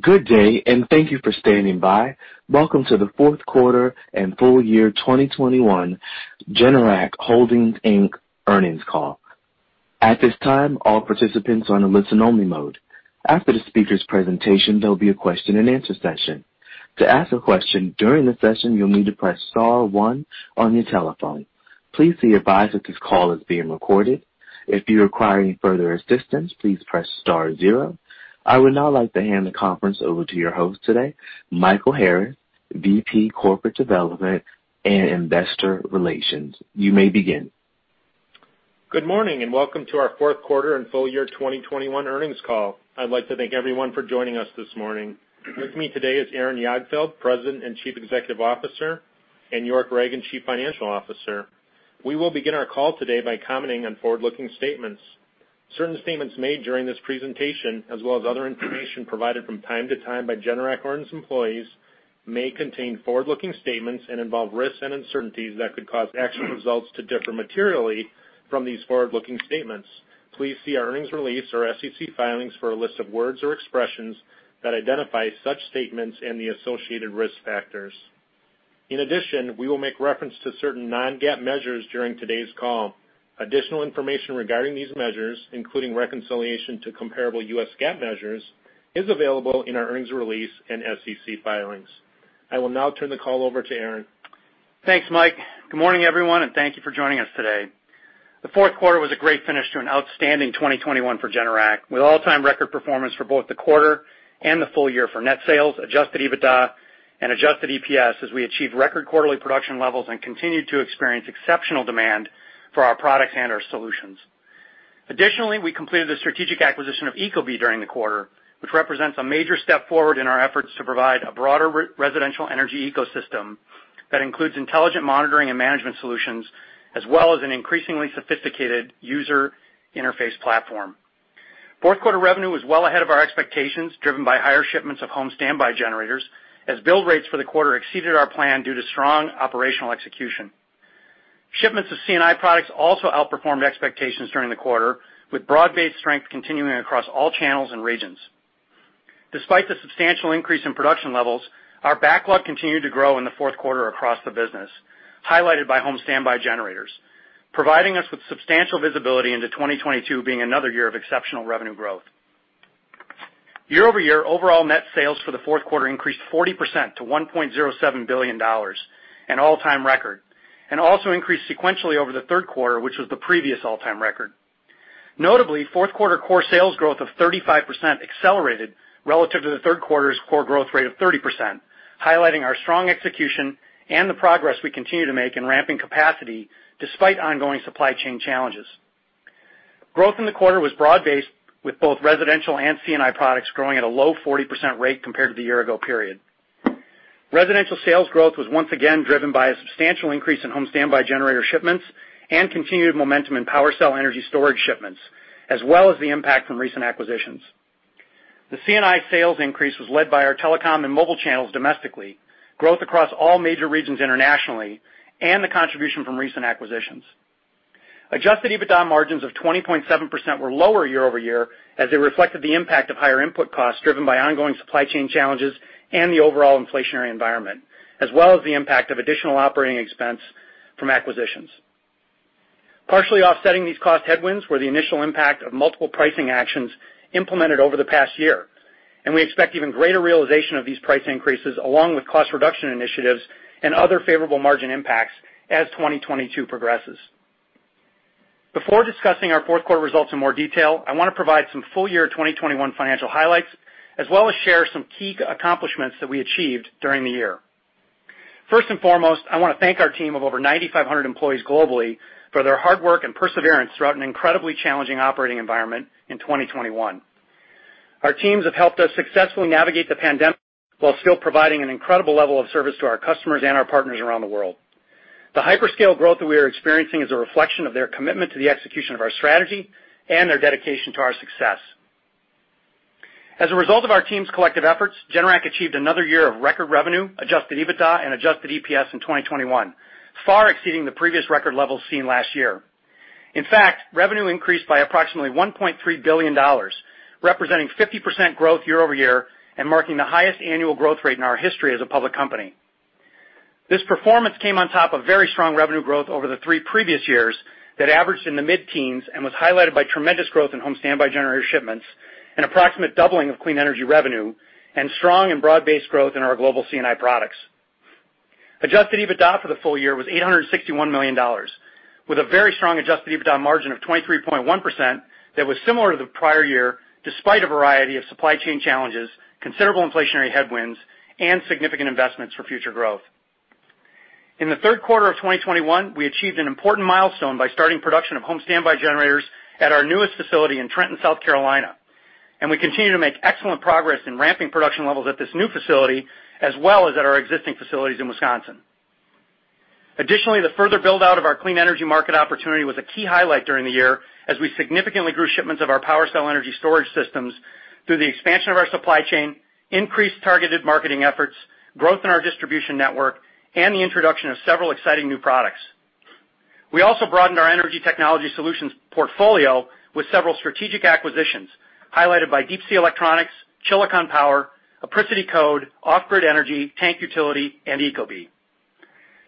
Good day, and thank you for standing by. Welcome to the fourth quarter and full year 2021 Generac Holdings, Inc. earnings call. At this time, all participants are in a listen-only mode. After the speaker's presentation, there'll be a question-and-answer session. To ask a question during the session, you'll need to press star one on your telephone. Please be advised that this call is being recorded. If you require any further assistance, please press star zero. I would now like to hand the conference over to your host today, Michael Harris, VP Corporate Development and Investor Relations. You may begin. Good morning, and welcome to our fourth quarter and full year 2021 earnings call. I'd like to thank everyone for joining us this morning. With me today is Aaron Jagdfeld, President and Chief Executive Officer, and York Ragen, Chief Financial Officer. We will begin our call today by commenting on forward-looking statements. Certain statements made during this presentation, as well as other information provided from time to time by Generac or its employees, may contain forward-looking statements and involve risks and uncertainties that could cause actual results to differ materially from these forward-looking statements. Please see our earnings release or SEC filings for a list of words or expressions that identify such statements and the associated risk factors. In addition, we will make reference to certain non-GAAP measures during today's call. Additional information regarding these measures, including reconciliation to comparable U.S. GAAP measures, is available in our earnings release and SEC filings. I will now turn the call over to Aaron. Thanks, Mike. Good morning, everyone, and thank you for joining us today. The fourth quarter was a great finish to an outstanding 2021 for Generac, with all-time record performance for both the quarter and the full year for net sales, adjusted EBITDA, and adjusted EPS, as we achieved record quarterly production levels and continued to experience exceptional demand for our products and our solutions. Additionally, we completed the strategic acquisition of Ecobee during the quarter, which represents a major step forward in our efforts to provide a broader residential energy ecosystem that includes intelligent monitoring and management solutions, as well as an increasingly sophisticated user interface platform. Fourth quarter revenue was well ahead of our expectations, driven by higher shipments of home standby generators, as build rates for the quarter exceeded our plan due to strong operational execution. Shipments of C&I products also outperformed expectations during the quarter, with broad-based strength continuing across all channels and regions. Despite the substantial increase in production levels, our backlog continued to grow in the fourth quarter across the business, highlighted by home standby generators, providing us with substantial visibility into 2022 being another year of exceptional revenue growth. Year-over-year, overall net sales for the fourth quarter increased 40% to $1.07 billion, an all-time record, and also increased sequentially over the third quarter, which was the previous all-time record. Notably, fourth quarter core sales growth of 35% accelerated relative to the third quarter's core growth rate of 30%, highlighting our strong execution and the progress we continue to make in ramping capacity despite ongoing supply chain challenges. Growth in the quarter was broad-based, with both residential and C&I products growing at a low 40% rate compared to the year-ago period. Residential sales growth was once again driven by a substantial increase in home standby generator shipments and continued momentum in PWRcell energy storage shipments, as well as the impact from recent acquisitions. The C&I sales increase was led by our telecom and mobile channels domestically, growth across all major regions internationally, and the contribution from recent acquisitions. Adjusted EBITDA margins of 20.7% were lower year-over-year as they reflected the impact of higher input costs driven by ongoing supply chain challenges and the overall inflationary environment, as well as the impact of additional operating expense from acquisitions. Partially offsetting these cost headwinds were the initial impact of multiple pricing actions implemented over the past year, and we expect even greater realization of these price increases along with cost reduction initiatives and other favorable margin impacts as 2022 progresses. Before discussing our fourth quarter results in more detail, I want to provide some full year 2021 financial highlights, as well as share some key accomplishments that we achieved during the year. First and foremost, I want to thank our team of over 9,500 employees globally for their hard work and perseverance throughout an incredibly challenging operating environment in 2021. Our teams have helped us successfully navigate the pandemic while still providing an incredible level of service to our customers and our partners around the world. The hyperscale growth that we are experiencing is a reflection of their commitment to the execution of our strategy and their dedication to our success. As a result of our team's collective efforts, Generac achieved another year of record revenue, adjusted EBITDA, and adjusted EPS in 2021, far exceeding the previous record levels seen last year. In fact, revenue increased by approximately $1.3 billion, representing 50% growth year-over-year and marking the highest annual growth rate in our history as a public company. This performance came on top of very strong revenue growth over the three previous years that averaged in the mid-teens% and was highlighted by tremendous growth in home standby generator shipments, an approximate doubling of clean energy revenue, and strong and broad-based growth in our global C&I products. Adjusted EBITDA for the full year was $861 million, with a very strong adjusted EBITDA margin of 23.1% that was similar to the prior year despite a variety of supply chain challenges, considerable inflationary headwinds, and significant investments for future growth. In the third quarter of 2021, we achieved an important milestone by starting production of home standby generators at our newest facility in Trenton, South Carolina, and we continue to make excellent progress in ramping production levels at this new facility as well as at our existing facilities in Wisconsin. Additionally, the further build-out of our clean energy market opportunity was a key highlight during the year as we significantly grew shipments of our PWRcell energy storage systems through the expansion of our supply chain, increased targeted marketing efforts, growth in our distribution network, and the introduction of several exciting new products. We also broadened our energy technology solutions portfolio with several strategic acquisitions, highlighted by Deep Sea Electronics, Chilicon Power, Apricity Code, Off Grid Energy, Tank Utility, and Ecobee.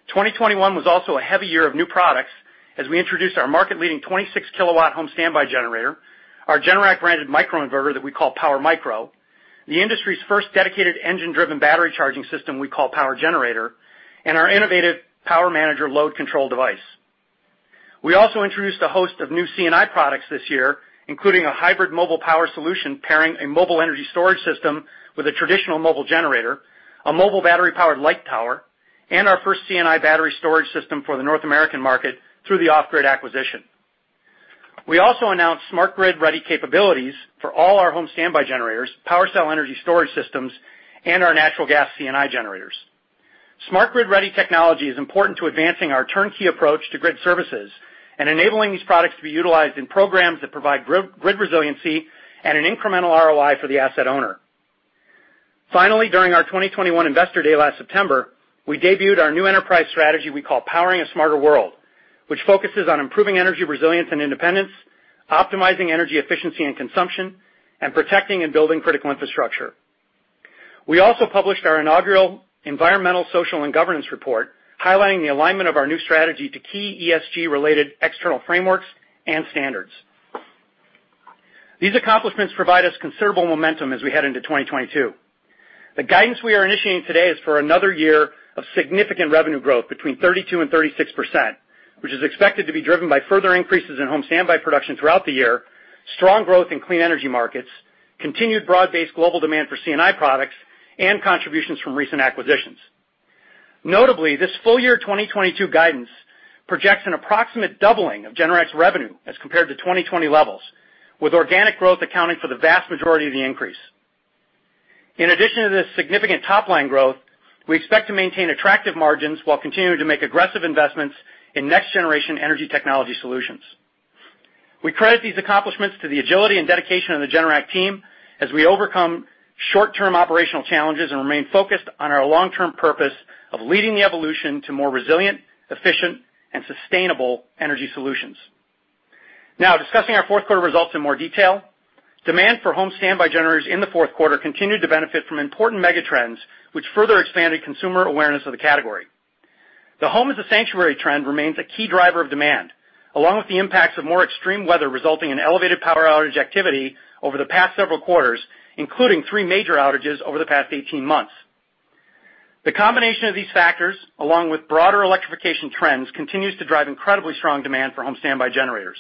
2021 was also a heavy year of new products as we introduced our market-leading 26-kilowatt home standby generator, our Generac-branded microinverter that we call PWRmicro, the industry's first dedicated engine-driven battery charging system we call PWRgenerator, and our innovative PWRmanager load control device. We also introduced a host of new C&I products this year, including a hybrid mobile power solution pairing a mobile energy storage system with a traditional mobile generator, a mobile battery-powered light tower, and our first C&I battery storage system for the North American market through the Off Grid acquisition. We also announced Smart Grid Ready capabilities for all our home standby generators, PWRcell energy storage systems, and our natural gas C&I generators. Smart Grid Ready technology is important to advancing our turnkey approach to grid services and enabling these products to be utilized in programs that provide grid resiliency and an incremental ROI for the asset owner. Finally, during our 2021 Investor Day last September, we debuted our new enterprise strategy we call Powering a Smarter World, which focuses on improving energy resilience and independence, optimizing energy efficiency and consumption, and protecting and building critical infrastructure. We also published our inaugural environmental, social, and governance report, highlighting the alignment of our new strategy to key ESG-related external frameworks and standards. These accomplishments provide us considerable momentum as we head into 2022. The guidance we are initiating today is for another year of significant revenue growth between 32% and 36%, which is expected to be driven by further increases in home standby production throughout the year, strong growth in clean energy markets, continued broad-based global demand for C&I products, and contributions from recent acquisitions. Notably, this full year 2022 guidance projects an approximate doubling of Generac's revenue as compared to 2020 levels, with organic growth accounting for the vast majority of the increase. In addition to this significant top-line growth, we expect to maintain attractive margins while continuing to make aggressive investments in next-generation energy technology solutions. We credit these accomplishments to the agility and dedication of the Generac team as we overcome short-term operational challenges and remain focused on our long-term purpose of leading the evolution to more resilient, efficient, and sustainable energy solutions. Now discussing our fourth quarter results in more detail. Demand for home standby generators in the fourth quarter continued to benefit from important mega trends, which further expanded consumer awareness of the category. The home as a sanctuary trend remains a key driver of demand, along with the impacts of more extreme weather resulting in elevated power outage activity over the past several quarters, including three major outages over the past 18 months. The combination of these factors, along with broader electrification trends, continues to drive incredibly strong demand for home standby generators.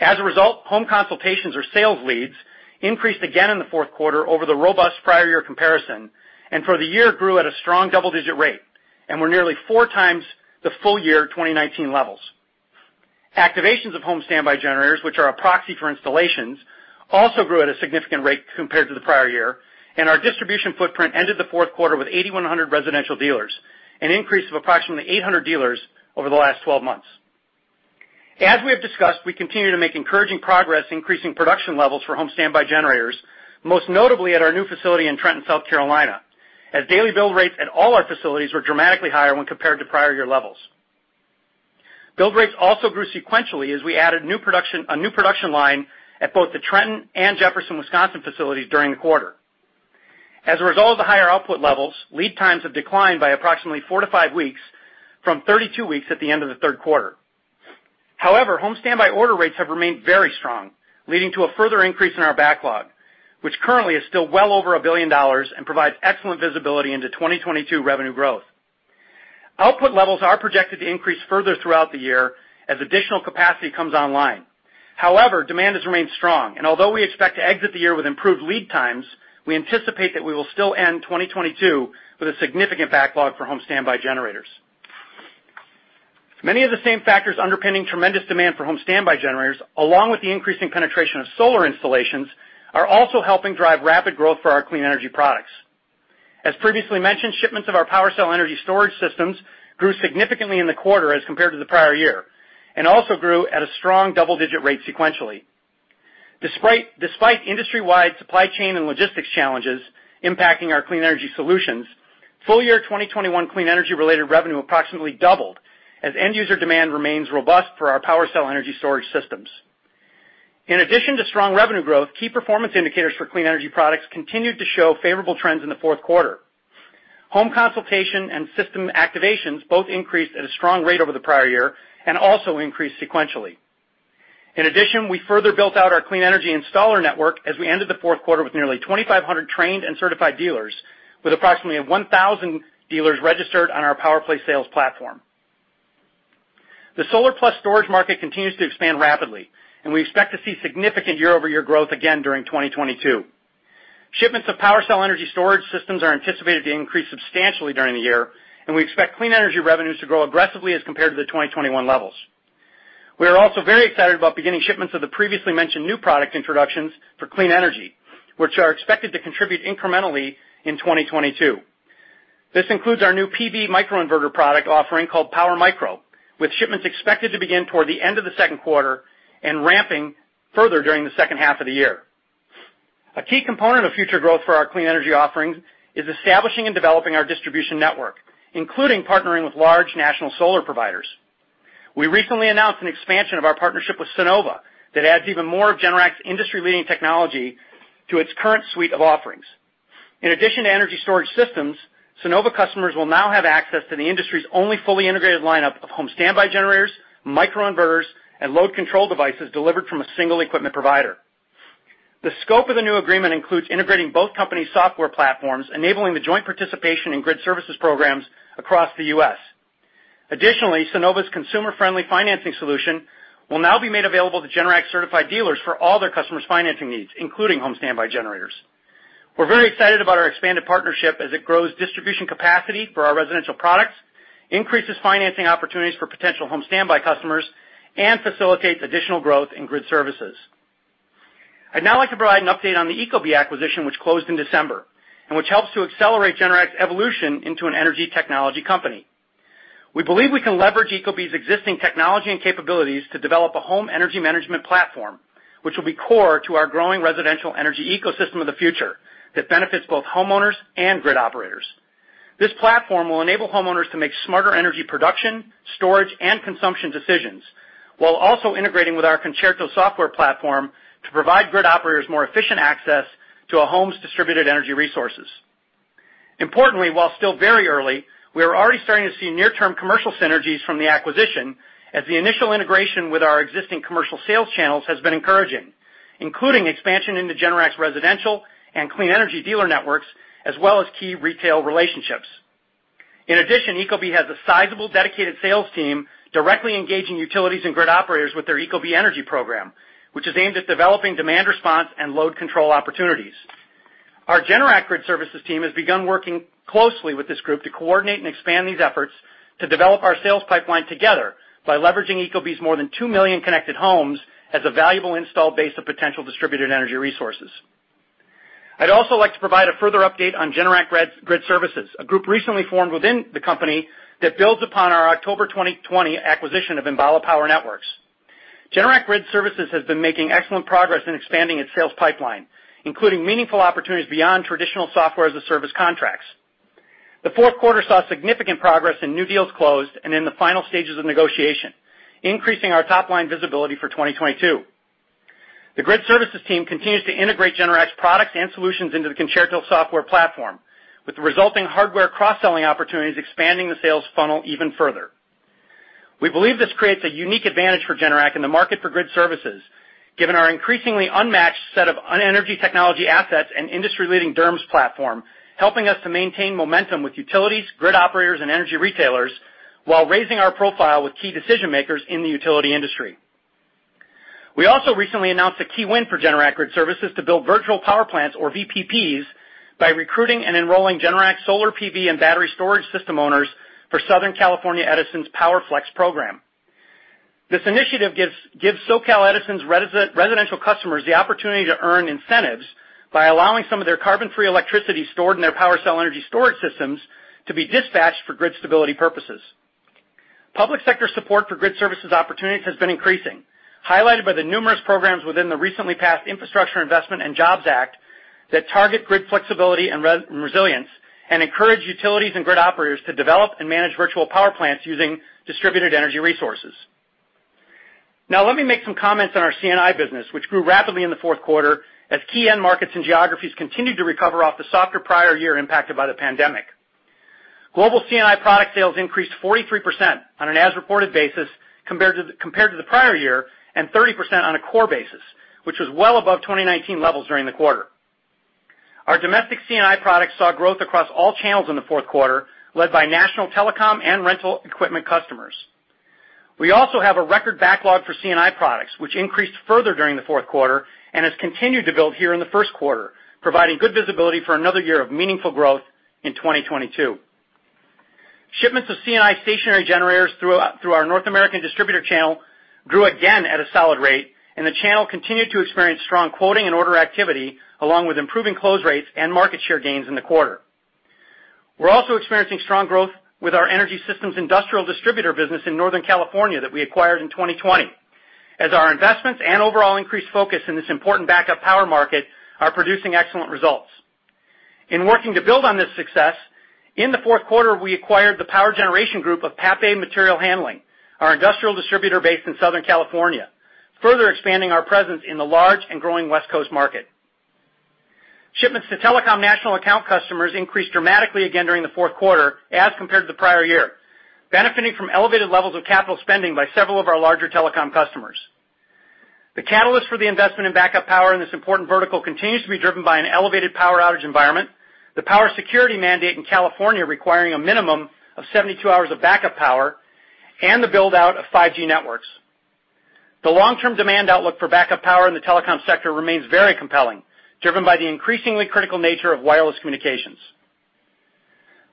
As a result, home consultations or sales leads increased again in the fourth quarter over the robust prior year comparison, and for the year grew at a strong double-digit rate and were nearly four times the full year 2019 levels. Activations of home standby generators, which are a proxy for installations, also grew at a significant rate compared to the prior year, and our distribution footprint ended the fourth quarter with 8,100 residential dealers, an increase of approximately 800 dealers over the last 12 months. We continue to make encouraging progress increasing production levels for home standby generators, most notably at our new facility in Trenton, South Carolina, as daily build rates at all our facilities were dramatically higher when compared to prior year levels. Build rates also grew sequentially as we added new production, a new production line at both the Trenton and Jefferson, Wisconsin facilities during the quarter. As a result of the higher output levels, lead times have declined by approximately four to five weeks from 32 weeks at the end of the third quarter. However, home standby order rates have remained very strong, leading to a further increase in our backlog, which currently is still well over $1 billion and provides excellent visibility into 2022 revenue growth. Output levels are projected to increase further throughout the year as additional capacity comes online. However, demand has remained strong, and although we expect to exit the year with improved lead times, we anticipate that we will still end 2022 with a significant backlog for home standby generators. Many of the same factors underpinning tremendous demand for home standby generators, along with the increasing penetration of solar installations, are also helping drive rapid growth for our clean energy products. As previously mentioned, shipments of our PWRcell energy storage systems grew significantly in the quarter as compared to the prior year and also grew at a strong double-digit rate sequentially. Despite industry-wide supply chain and logistics challenges impacting our clean energy solutions, full year 2021 clean energy-related revenue approximately doubled as end user demand remains robust for our PWRcell energy storage systems. In addition to strong revenue growth, key performance indicators for clean energy products continued to show favorable trends in the fourth quarter. Home consultation and system activations both increased at a strong rate over the prior year and also increased sequentially. In addition, we further built out our clean energy installer network as we ended the fourth quarter with nearly 2,500 trained and certified dealers with approximately 1,000 dealers registered on our PowerPlace sales platform. The solar plus storage market continues to expand rapidly, and we expect to see significant year-over-year growth again during 2022. Shipments of PWRcell energy storage systems are anticipated to increase substantially during the year, and we expect clean energy revenues to grow aggressively as compared to the 2021 levels. We are also very excited about beginning shipments of the previously mentioned new product introductions for clean energy, which are expected to contribute incrementally in 2022. This includes our new PV microinverter product offering called PWRmicro, with shipments expected to begin toward the end of the second quarter and ramping further during the second half of the year. A key component of future growth for our clean energy offerings is establishing and developing our distribution network, including partnering with large national solar providers. We recently announced an expansion of our partnership with Sunnova that adds even more of Generac's industry-leading technology to its current suite of offerings. In addition to energy storage systems, Sunnova customers will now have access to the industry's only fully integrated lineup of home standby generators, microinverters, and load control devices delivered from a single equipment provider. The scope of the new agreement includes integrating both companies' software platforms, enabling the joint participation in grid services programs across the U.S. Additionally, Sunnova's consumer-friendly financing solution will now be made available to Generac-certified dealers for all their customers' financing needs, including home standby generators. We're very excited about our expanded partnership as it grows distribution capacity for our residential products, increases financing opportunities for potential home standby customers, and facilitates additional growth in grid services. I'd now like to provide an update on the Ecobee acquisition, which closed in December, and which helps to accelerate Generac's evolution into an energy technology company. We believe we can leverage Ecobee's existing technology and capabilities to develop a home energy management platform, which will be core to our growing residential energy ecosystem of the future that benefits both homeowners and grid operators. This platform will enable homeowners to make smarter energy production, storage, and consumption decisions, while also integrating with our Concerto software platform to provide grid operators more efficient access to a home's distributed energy resources. Importantly, while still very early, we are already starting to see near-term commercial synergies from the acquisition, as the initial integration with our existing commercial sales channels has been encouraging, including expansion into Generac's residential and clean energy dealer networks, as well as key retail relationships. In addition, ecobee has a sizable dedicated sales team directly engaging utilities and grid operators with their ecobee Energy program, which is aimed at developing demand response and load control opportunities. Our Generac Grid Services team has begun working closely with this group to coordinate and expand these efforts to develop our sales pipeline together by leveraging Ecobee's more than 2 million connected homes as a valuable install base of potential distributed energy resources. I'd also like to provide a further update on Generac Grid Services, a group recently formed within the company that builds upon our October 2020 acquisition of Enbala Power Networks. Generac Grid Services has been making excellent progress in expanding its sales pipeline, including meaningful opportunities beyond traditional software as a service contracts. The fourth quarter saw significant progress in new deals closed and in the final stages of negotiation, increasing our top-line visibility for 2022. The Grid Services team continues to integrate Generac's products and solutions into the Concerto software platform, with the resulting hardware cross-selling opportunities expanding the sales funnel even further. We believe this creates a unique advantage for Generac in the market for grid services, given our increasingly unmatched set of energy technology assets and industry-leading DERMS platform, helping us to maintain momentum with utilities, grid operators, and energy retailers while raising our profile with key decision-makers in the utility industry. We also recently announced a key win for Generac Grid Services to build virtual power plants or VPPs by recruiting and enrolling Generac solar PV and battery storage system owners for Southern California Edison's PowerFlex program. This initiative gives SoCal Edison's residential customers the opportunity to earn incentives by allowing some of their carbon-free electricity stored in their PWRcell energy storage systems to be dispatched for grid stability purposes. Public sector support for Grid Services opportunities has been increasing, highlighted by the numerous programs within the recently passed Infrastructure Investment and Jobs Act that target grid flexibility and resiliency, and encourage utilities and grid operators to develop and manage virtual power plants using distributed energy resources. Now let me make some comments on our C&I business, which grew rapidly in the fourth quarter as key end markets and geographies continued to recover off the softer prior year impacted by the pandemic. Global C&I product sales increased 43% on an as-reported basis compared to the prior year, and 30% on a core basis, which was well above 2019 levels during the quarter. Our domestic C&I products saw growth across all channels in the fourth quarter, led by national telecom and rental equipment customers. We also have a record backlog for C&I products, which increased further during the fourth quarter and has continued to build here in the first quarter, providing good visibility for another year of meaningful growth in 2022. Shipments of C&I stationary generators through our North American distributor channel grew again at a solid rate, and the channel continued to experience strong quoting and order activity along with improving close rates and market share gains in the quarter. We're also experiencing strong growth with our energy systems industrial distributor business in Northern California that we acquired in 2020, as our investments and overall increased focus in this important backup power market are producing excellent results. In working to build on this success, in the fourth quarter, we acquired the power generation group of Papé Material Handling, our industrial distributor based in Southern California, further expanding our presence in the large and growing West Coast market. Shipments to telecom national account customers increased dramatically again during the fourth quarter as compared to the prior year, benefiting from elevated levels of capital spending by several of our larger telecom customers. The catalyst for the investment in backup power in this important vertical continues to be driven by an elevated power outage environment, the power security mandate in California requiring a minimum of 72 hours of backup power, and the build-out of 5G networks. The long-term demand outlook for backup power in the telecom sector remains very compelling, driven by the increasingly critical nature of wireless communications.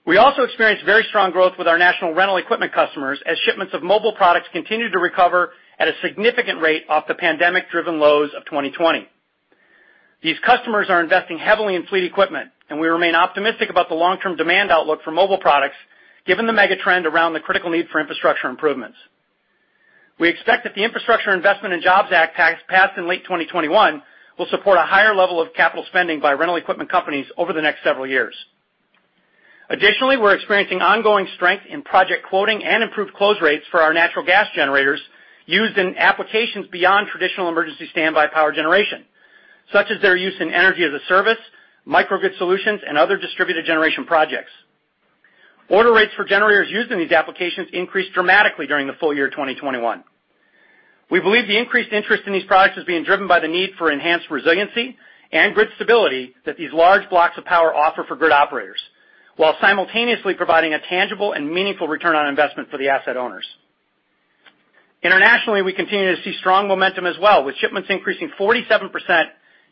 We also experienced very strong growth with our national rental equipment customers as shipments of mobile products continued to recover at a significant rate off the pandemic-driven lows of 2020. These customers are investing heavily in fleet equipment, and we remain optimistic about the long-term demand outlook for mobile products given the mega-trend around the critical need for infrastructure improvements. We expect that the Infrastructure Investment and Jobs Act passed in late 2021 will support a higher level of capital spending by rental equipment companies over the next several years. Additionally, we're experiencing ongoing strength in project quoting and improved close rates for our natural gas generators used in applications beyond traditional emergency standby power generation, such as their use in energy-as-a-service, microgrid solutions, and other distributed generation projects. Order rates for generators used in these applications increased dramatically during the full year 2021. We believe the increased interest in these products is being driven by the need for enhanced resiliency and grid stability that these large blocks of power offer for grid operators, while simultaneously providing a tangible and meaningful return on investment for the asset owners. Internationally, we continue to see strong momentum as well, with shipments increasing 47%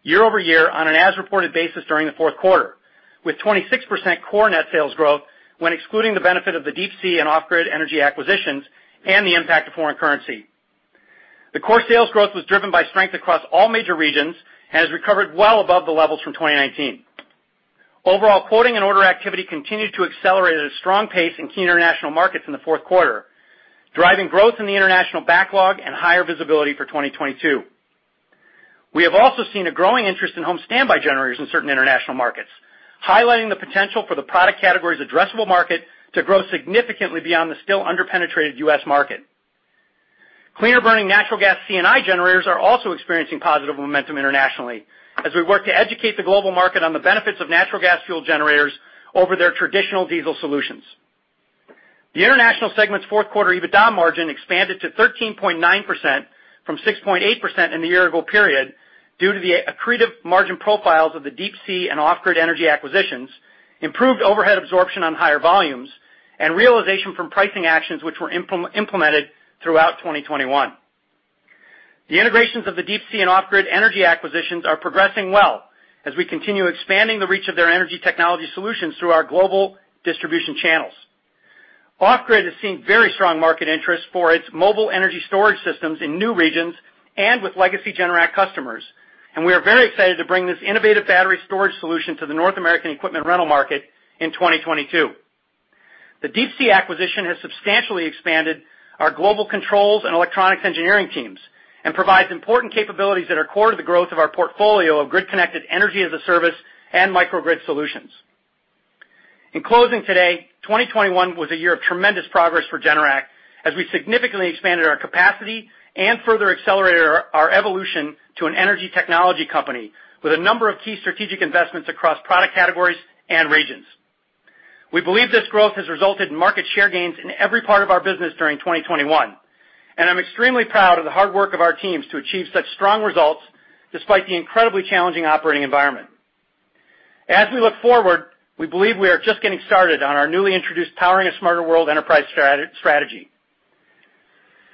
year-over-year on an as-reported basis during the fourth quarter, with 26% core net sales growth when excluding the benefit of the Deep Sea Electronics and Off Grid Energy acquisitions and the impact of foreign currency. The core sales growth was driven by strength across all major regions and has recovered well above the levels from 2019. Overall quoting and order activity continued to accelerate at a strong pace in key international markets in the fourth quarter, driving growth in the international backlog and higher visibility for 2022. We have also seen a growing interest in home standby generators in certain international markets, highlighting the potential for the product category's addressable market to grow significantly beyond the still under-penetrated U.S. market. Cleaner burning natural gas C&I generators are also experiencing positive momentum internationally as we work to educate the global market on the benefits of natural gas fuel generators over their traditional diesel solutions. The international segment's fourth quarter EBITDA margin expanded to 13.9% from 6.8% in the year-ago period due to the accretive margin profiles of the Deep Sea and Off Grid Energy acquisitions, improved overhead absorption on higher volumes, and realization from pricing actions which were implemented throughout 2021. The integrations of the Deep Sea and Off Grid Energy acquisitions are progressing well as we continue expanding the reach of their energy technology solutions through our global distribution channels. Off Grid Energy has seen very strong market interest for its mobile energy storage systems in new regions and with legacy Generac customers, and we are very excited to bring this innovative battery storage solution to the North American equipment rental market in 2022. The Deep Sea Electronics acquisition has substantially expanded our global controls and electronics engineering teams and provides important capabilities that are core to the growth of our portfolio of grid-connected energy-as-a-service and microgrid solutions. In closing today, 2021 was a year of tremendous progress for Generac as we significantly expanded our capacity and further accelerated our evolution to an energy technology company with a number of key strategic investments across product categories and regions. We believe this growth has resulted in market share gains in every part of our business during 2021, and I'm extremely proud of the hard work of our teams to achieve such strong results despite the incredibly challenging operating environment. As we look forward, we believe we are just getting started on our newly introduced Powering a Smarter World enterprise strategy.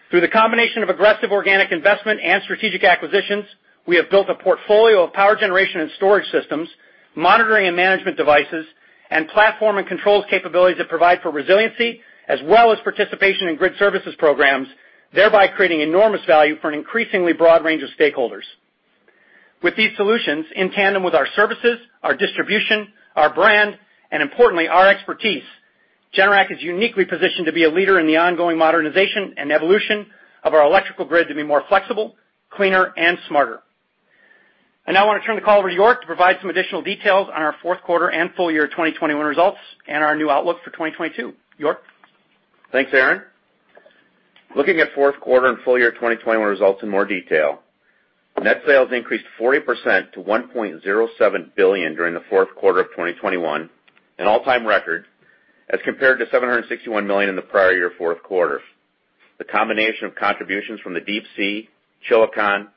Through the combination of aggressive organic investment and strategic acquisitions, we have built a portfolio of power generation and storage systems, monitoring and management devices, and platform and controls capabilities that provide for resiliency as well as participation in grid services programs, thereby creating enormous value for an increasingly broad range of stakeholders. With these solutions, in tandem with our services, our distribution, our brand, and importantly, our expertise, Generac is uniquely positioned to be a leader in the ongoing modernization and evolution of our electrical grid to be more flexible, cleaner, and smarter. I now want to turn the call over to York to provide some additional details on our fourth quarter and full year 2021 results and our new outlook for 2022. York? Thanks, Aaron. Looking at fourth quarter and full year 2021 results in more detail. Net sales increased 40% to $1.07 billion during the fourth quarter of 2021, an all-time record, as compared to $761 million in the prior year fourth quarter. The combination of contributions from the Deep Sea, Chilicon,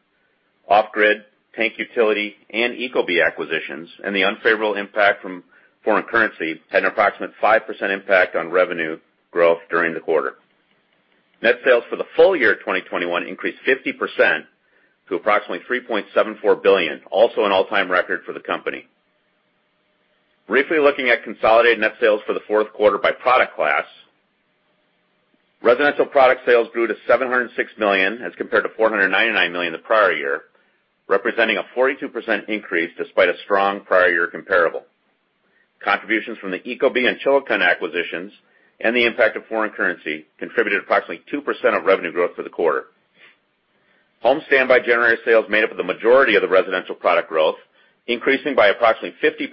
Off-Grid, Tank Utility, and Ecobee acquisitions and the unfavorable impact from foreign currency had an approximate 5% impact on revenue growth during the quarter. Net sales for the full year 2021 increased 50% to approximately $3.74 billion, also an all-time record for the company. Briefly looking at consolidated net sales for the fourth quarter by product class. Residential product sales grew to $706 million as compared to $499 million the prior year, representing a 42% increase despite a strong prior year comparable. Contributions from the Ecobee and Chilicon acquisitions and the impact of foreign currency contributed approximately 2% of revenue growth for the quarter. Home standby generator sales made up the majority of the residential product growth, increasing by approximately 50%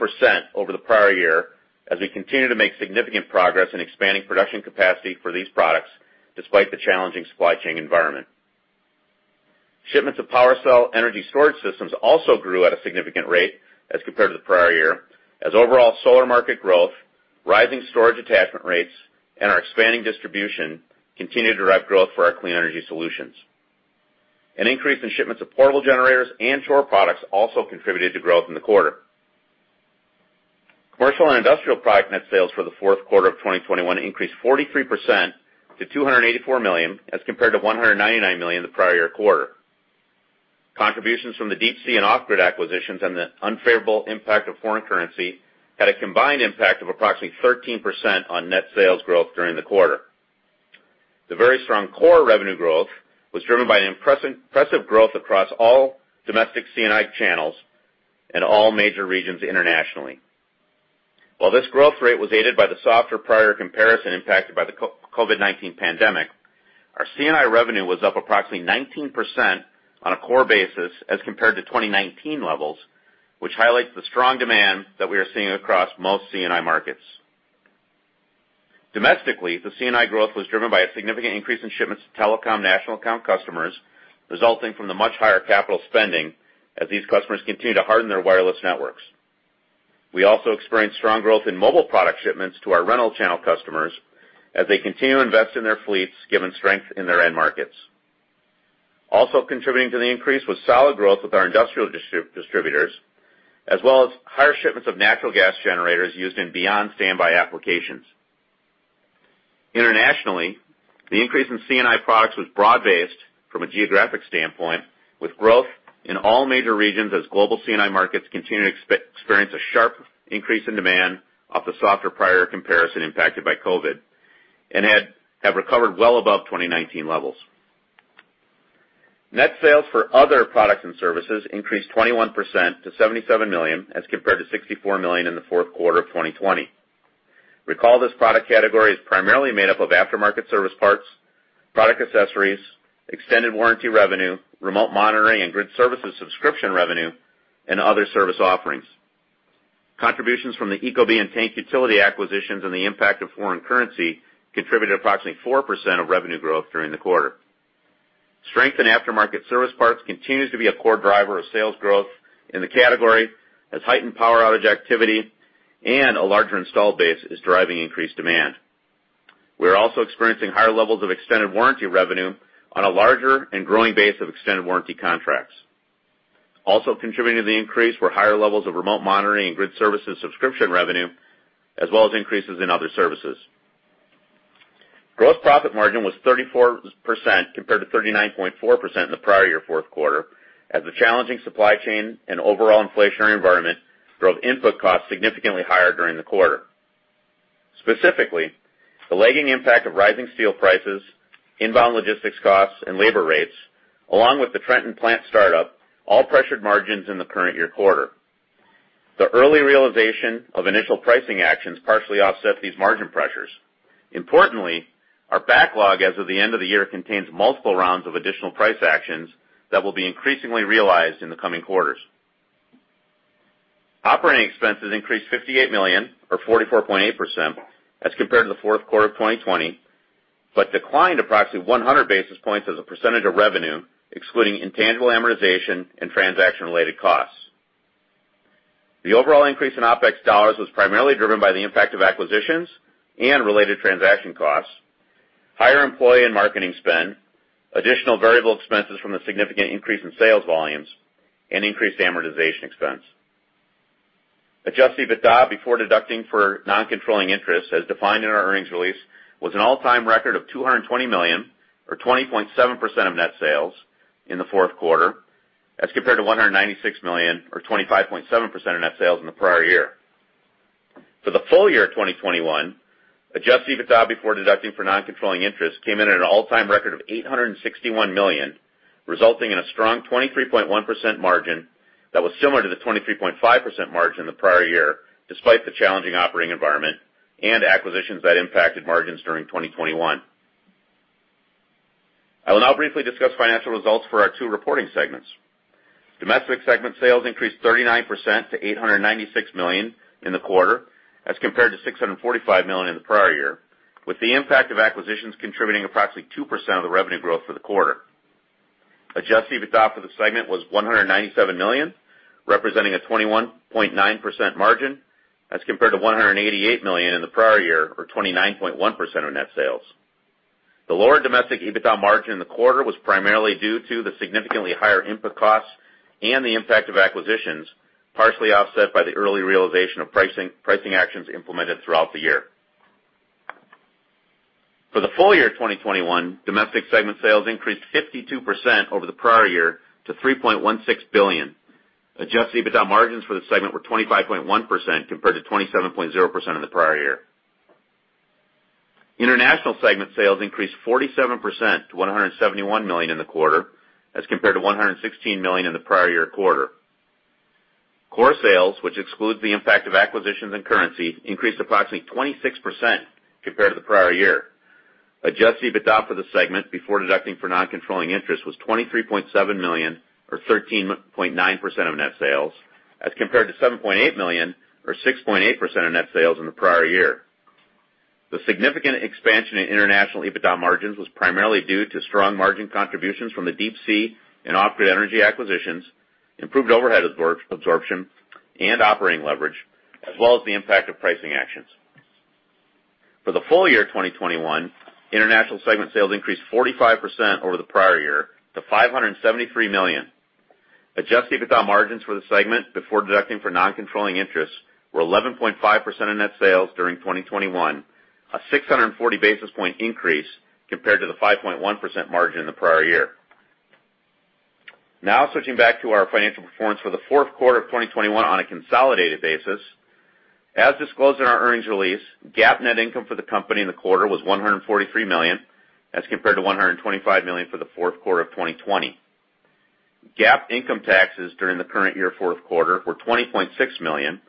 over the prior year as we continue to make significant progress in expanding production capacity for these products despite the challenging supply chain environment. Shipments of PWRcell energy storage systems also grew at a significant rate as compared to the prior year, as overall solar market growth, rising storage attachment rates, and our expanding distribution continued to drive growth for our clean energy solutions. An increase in shipments of portable generators and Chore products also contributed to growth in the quarter. Commercial and industrial product net sales for the fourth quarter of 2021 increased 43% to $284 million, as compared to $199 million the prior year quarter. Contributions from the Deep Sea Electronics and Off Grid Energy acquisitions and the unfavorable impact of foreign currency had a combined impact of approximately 13% on net sales growth during the quarter. The very strong core revenue growth was driven by an impressive growth across all domestic C&I channels and all major regions internationally. While this growth rate was aided by the softer prior comparison impacted by the COVID-19 pandemic, our C&I revenue was up approximately 19% on a core basis as compared to 2019 levels, which highlights the strong demand that we are seeing across most C&I markets. Domestically, the C&I growth was driven by a significant increase in shipments to telecom national account customers, resulting from the much higher capital spending as these customers continue to harden their wireless networks. We also experienced strong growth in mobile product shipments to our rental channel customers as they continue to invest in their fleets given strength in their end markets. Also contributing to the increase was solid growth with our industrial distributors, as well as higher shipments of natural gas generators used in beyond standby applications. Internationally, the increase in C&I products was broad-based from a geographic standpoint, with growth in all major regions as global C&I markets continue to experience a sharp increase in demand off the softer prior comparison impacted by COVID, and have recovered well above 2019 levels. Net sales for other products and services increased 21% to $77 million as compared to $64 million in the fourth quarter of 2020. Recall this product category is primarily made up of aftermarket service parts, product accessories, extended warranty revenue, remote monitoring and grid services subscription revenue, and other service offerings. Contributions from the Ecobee and Tank Utility acquisitions and the impact of foreign currency contributed approximately 4% of revenue growth during the quarter. Strength in aftermarket service parts continues to be a core driver of sales growth in the category as heightened power outage activity and a larger install base is driving increased demand. We are also experiencing higher levels of extended warranty revenue on a larger and growing base of extended warranty contracts. Contributing to the increase were higher levels of remote monitoring and grid services subscription revenue, as well as increases in other services. Gross profit margin was 34% compared to 39.4% in the prior year fourth quarter, as the challenging supply chain and overall inflationary environment drove input costs significantly higher during the quarter. Specifically, the lagging impact of rising steel prices, inbound logistics costs, and labor rates, along with the Trenton plant startup, all pressured margins in the current year quarter. The early realization of initial pricing actions partially offset these margin pressures. Importantly, our backlog as of the end of the year contains multiple rounds of additional price actions that will be increasingly realized in the coming quarters. Operating expenses increased $58 million or 44.8% as compared to the fourth quarter of 2020, but declined approximately 100 basis points as a percentage of revenue, excluding intangible amortization and transaction-related costs. The overall increase in OpEx dollars was primarily driven by the impact of acquisitions and related transaction costs, higher employee and marketing spend, additional variable expenses from the significant increase in sales volumes, and increased amortization expense. Adjusted EBITDA before deducting for non-controlling interest, as defined in our earnings release, was an all-time record of $220 million or 20.7% of net sales in the fourth quarter, as compared to $196 million or 25.7% of net sales in the prior year. For the full year of 2021, adjusted EBITDA before deducting for non-controlling interest came in at an all-time record of $861 million, resulting in a strong 23.1% margin that was similar to the 23.5% margin the prior year, despite the challenging operating environment and acquisitions that impacted margins during 2021. I will now briefly discuss financial results for our two reporting segments. Domestic segment sales increased 39% to $896 million in the quarter as compared to $645 million in the prior year, with the impact of acquisitions contributing approximately 2% of the revenue growth for the quarter. Adjusted EBITDA for the segment was $197 million, representing a 21.9% margin as compared to $188 million in the prior year or 29.1% of net sales. The lower domestic EBITDA margin in the quarter was primarily due to the significantly higher input costs and the impact of acquisitions, partially offset by the early realization of pricing actions implemented throughout the year. For the full year 2021, domestic segment sales increased 52% over the prior year to $3.16 billion. Adjusted EBITDA margins for the segment were 25.1% compared to 27.0% in the prior year. International segment sales increased 47% to $171 million in the quarter as compared to $116 million in the prior year quarter. Core sales, which excludes the impact of acquisitions and currency, increased approximately 26% compared to the prior year. Adjusted EBITDA for the segment before deducting for non-controlling interest was $23.7 million or 13.9% of net sales as compared to $7.8 million or 6.8% of net sales in the prior year. The significant expansion in international EBITDA margins was primarily due to strong margin contributions from the Deep Sea and Off Grid Energy acquisitions, improved overhead absorption and operating leverage, as well as the impact of pricing actions. For the full year 2021, international segment sales increased 45% over the prior year to $573 million. Adjusted EBITDA margins for the segment before deducting for non-controlling interests were 11.5% of net sales during 2021, a 640 basis point increase compared to the 5.1% margin in the prior year. Now switching back to our financial performance for the fourth quarter of 2021 on a consolidated basis. As disclosed in our earnings release, GAAP net income for the company in the quarter was $143 million as compared to $125 million for the fourth quarter of 2020. GAAP income taxes during the current year fourth quarter were $20.6 million,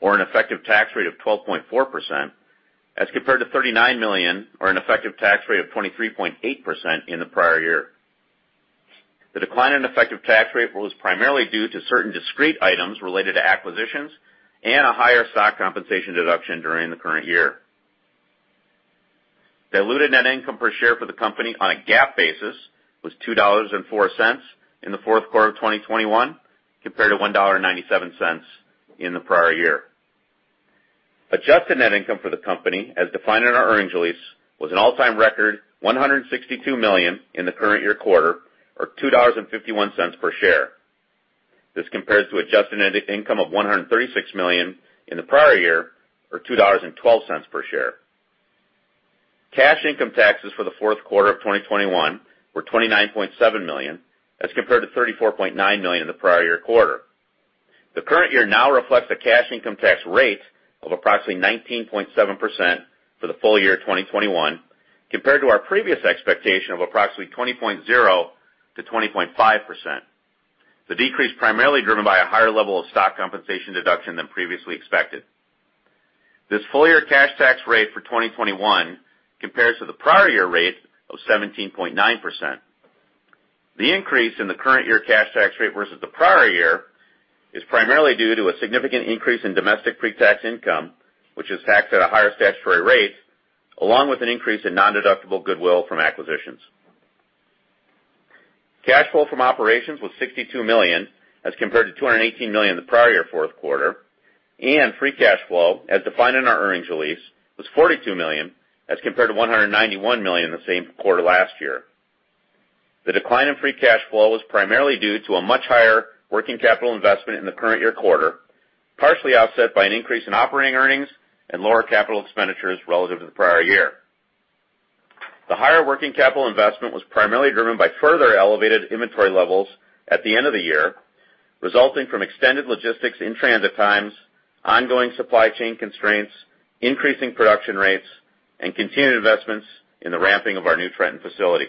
or an effective tax rate of 12.4%, as compared to $39 million, or an effective tax rate of 23.8% in the prior year. The decline in effective tax rate was primarily due to certain discrete items related to acquisitions and a higher stock compensation deduction during the current year. Diluted net income per share for the company on a GAAP basis was $2.04 in the fourth quarter of 2021, compared to $1.97 in the prior year. Adjusted net income for the company, as defined in our earnings release, was an all-time record $162 million in the current year quarter, or $2.51 per share. This compares to adjusted net income of $136 million in the prior year, or $2.12 per share. Cash income taxes for the fourth quarter of 2021 were $29.7 million as compared to $34.9 million in the prior year quarter. The current year now reflects a cash income tax rate of approximately 19.7% for the full year of 2021, compared to our previous expectation of approximately 20.0%-20.5%. The decrease primarily driven by a higher level of stock compensation deduction than previously expected. This full year cash tax rate for 2021 compares to the prior year rate of 17.9%. The increase in the current year cash tax rate versus the prior year is primarily due to a significant increase in domestic pre-tax income, which is taxed at a higher statutory rate, along with an increase in nondeductible goodwill from acquisitions. Cash flow from operations was $62 million, as compared to $218 million in the prior year fourth quarter, and free cash flow, as defined in our earnings release, was $42 million, as compared to $191 million in the same quarter last year. The decline in free cash flow was primarily due to a much higher working capital investment in the current year quarter, partially offset by an increase in operating earnings and lower capital expenditures relative to the prior year. The higher working capital investment was primarily driven by further elevated inventory levels at the end of the year, resulting from extended logistics in transit times, ongoing supply chain constraints, increasing production rates, and continued investments in the ramping of our new Trenton facility.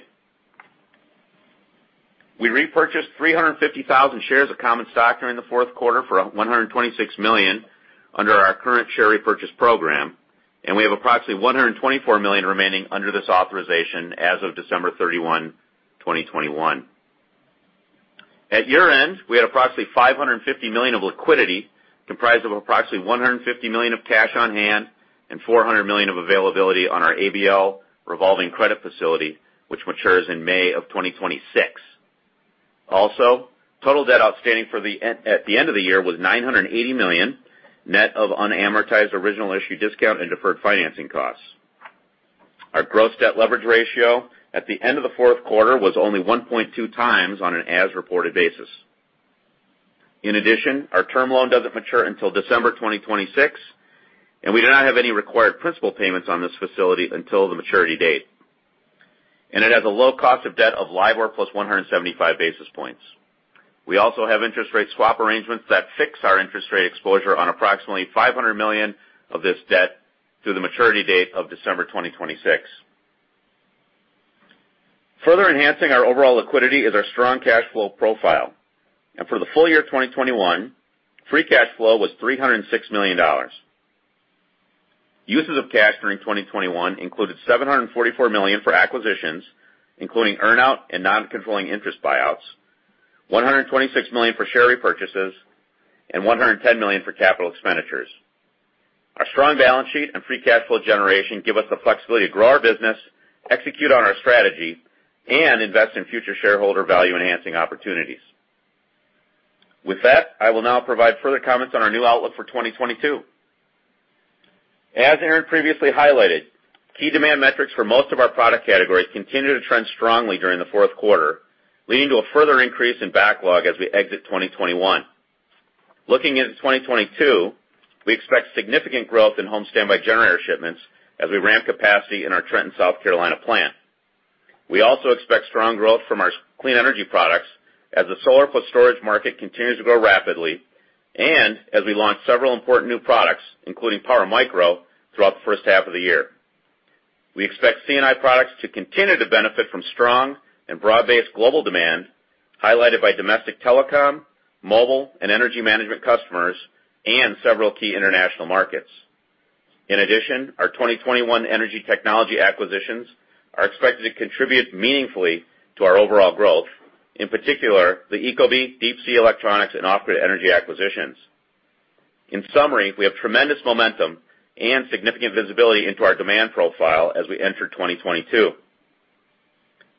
We repurchased 350,000 shares of common stock during the fourth quarter for $126 million under our current share repurchase program, and we have approximately $124 million remaining under this authorization as of December 31, 2021. At year-end, we had approximately $550 million of liquidity, comprised of approximately $150 million of cash on hand and $400 million of availability on our ABL revolving credit facility, which matures in May of 2026. Also, total debt outstanding at the end of the year was $980 million, net of unamortized original issue discount and deferred financing costs. Our gross debt leverage ratio at the end of the fourth quarter was only 1.2 times on an as-reported basis. In addition, our term loan doesn't mature until December 2026, and we do not have any required principal payments on this facility until the maturity date. It has a low cost of debt of LIBOR plus 175 basis points. We also have interest rate swap arrangements that fix our interest rate exposure on approximately $500 million of this debt through the maturity date of December 2026. Further enhancing our overall liquidity is our strong cash flow profile. For the full year of 2021, free cash flow was $306 million. Uses of cash during 2021 included $744 million for acquisitions, including earn-out and non-controlling interest buyouts, $126 million for share repurchases, and $110 million for capital expenditures. Our strong balance sheet and free cash flow generation give us the flexibility to grow our business, execute on our strategy, and invest in future shareholder value-enhancing opportunities. With that, I will now provide further comments on our new outlook for 2022. As Aaron previously highlighted, key demand metrics for most of our product categories continued to trend strongly during the fourth quarter, leading to a further increase in backlog as we exit 2021. Looking into 2022, we expect significant growth in home standby generator shipments as we ramp capacity in our Trenton, South Carolina plant. We also expect strong growth from our clean energy products as the solar plus storage market continues to grow rapidly, and as we launch several important new products, including PWRmicro, throughout the first half of the year. We expect C&I products to continue to benefit from strong and broad-based global demand, highlighted by domestic telecom, mobile, and energy management customers and several key international markets. In addition, our 2021 energy technology acquisitions are expected to contribute meaningfully to our overall growth, in particular the Ecobee, Deep Sea Electronics, and Off Grid Energy acquisitions. In summary, we have tremendous momentum and significant visibility into our demand profile as we enter 2022.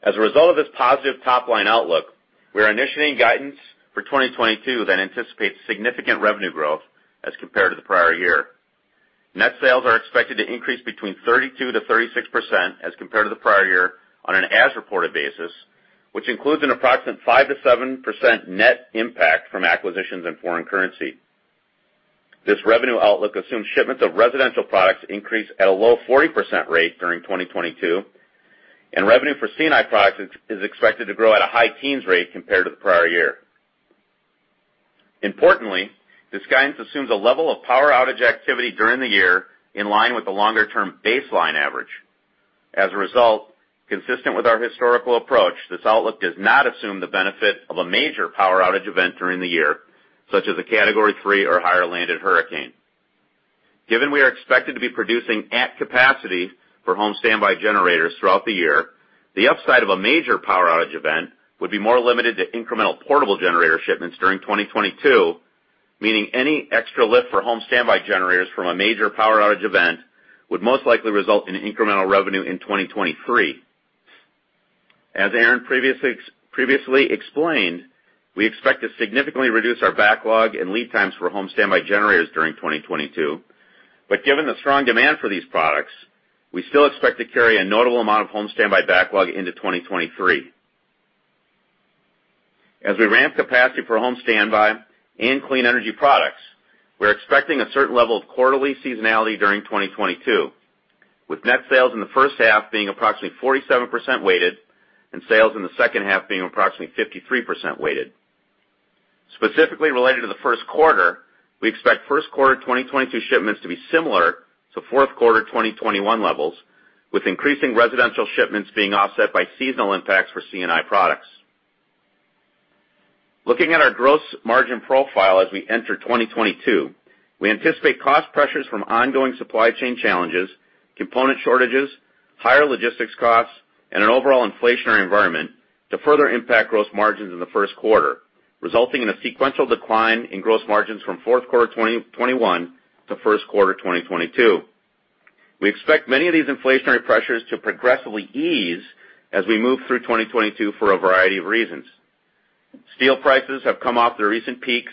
As a result of this positive top-line outlook, we are initiating guidance for 2022 that anticipates significant revenue growth as compared to the prior year. Net sales are expected to increase between 32%-36% as compared to the prior year on an as-reported basis, which includes an approximate 5%-7% net impact from acquisitions in foreign currency. This revenue outlook assumes shipments of residential products increase at a low 40% rate during 2022, and revenue for C&I products is expected to grow at a high-teens rate compared to the prior year. Importantly, this guidance assumes a level of power outage activity during the year in line with the longer-term baseline average. As a result, consistent with our historical approach, this outlook does not assume the benefit of a major power outage event during the year, such as a Category 3 or higher landed hurricane. Given we are expected to be producing at capacity for home standby generators throughout the year, the upside of a major power outage event would be more limited to incremental portable generator shipments during 2022, meaning any extra lift for home standby generators from a major power outage event would most likely result in incremental revenue in 2023. As Aaron previously explained, we expect to significantly reduce our backlog and lead times for home standby generators during 2022. Given the strong demand for these products, we still expect to carry a notable amount of home standby backlog into 2023. As we ramp capacity for home standby and clean energy products, we're expecting a certain level of quarterly seasonality during 2022, with net sales in the first half being approximately 47% weighted and sales in the second half being approximately 53% weighted. Specifically related to the first quarter, we expect first quarter 2022 shipments to be similar to fourth quarter 2021 levels, with increasing residential shipments being offset by seasonal impacts for C&I products. Looking at our gross margin profile as we enter 2022, we anticipate cost pressures from ongoing supply chain challenges, component shortages, higher logistics costs, and an overall inflationary environment to further impact gross margins in the first quarter, resulting in a sequential decline in gross margins from fourth quarter 2021 to first quarter 2022. We expect many of these inflationary pressures to progressively ease as we move through 2022 for a variety of reasons. Steel prices have come off their recent peaks,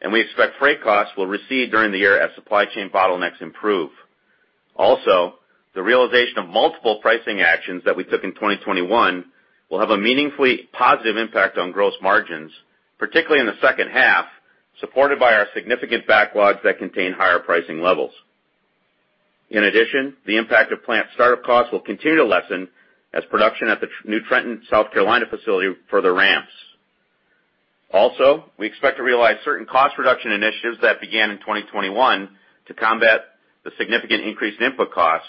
and we expect freight costs will recede during the year as supply chain bottlenecks improve. Also, the realization of multiple pricing actions that we took in 2021 will have a meaningfully positive impact on gross margins, particularly in the second half, supported by our significant backlogs that contain higher pricing levels. In addition, the impact of plant startup costs will continue to lessen as production at the New Trenton, South Carolina facility further ramps. Also, we expect to realize certain cost reduction initiatives that began in 2021 to combat the significant increase in input costs,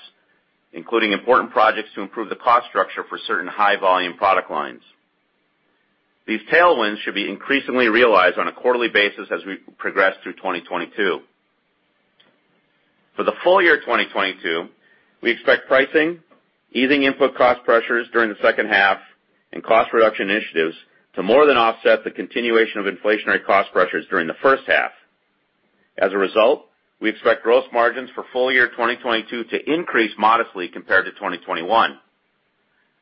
including important projects to improve the cost structure for certain high-volume product lines. These tailwinds should be increasingly realized on a quarterly basis as we progress through 2022. For the full year 2022, we expect pricing, easing input cost pressures during the second half, and cost reduction initiatives to more than offset the continuation of inflationary cost pressures during the first half. As a result, we expect gross margins for full year 2022 to increase modestly compared to 2021,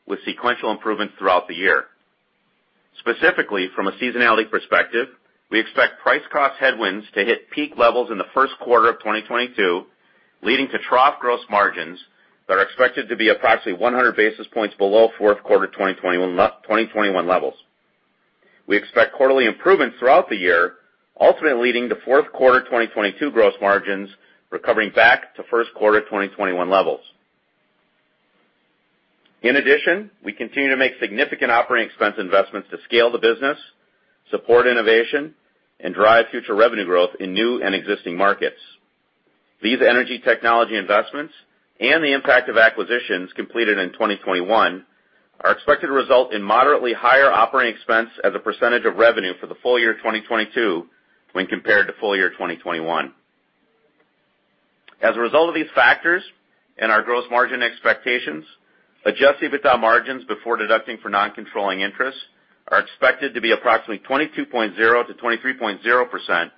with sequential improvements throughout the year. Specifically, from a seasonality perspective, we expect price cost headwinds to hit peak levels in the first quarter of 2022, leading to trough gross margins that are expected to be approximately 100 basis points below fourth quarter 2021 levels. We expect quarterly improvements throughout the year, ultimately leading to fourth quarter 2022 gross margins recovering back to first quarter 2021 levels. In addition, we continue to make significant operating expense investments to scale the business, support innovation, and drive future revenue growth in new and existing markets. These energy technology investments and the impact of acquisitions completed in 2021 are expected to result in moderately higher operating expense as a percentage of revenue for the full year 2022 when compared to full year 2021. As a result of these factors and our gross margin expectations, adjusted EBITDA margins before deducting for non-controlling interests are expected to be approximately 22.0%-23.0%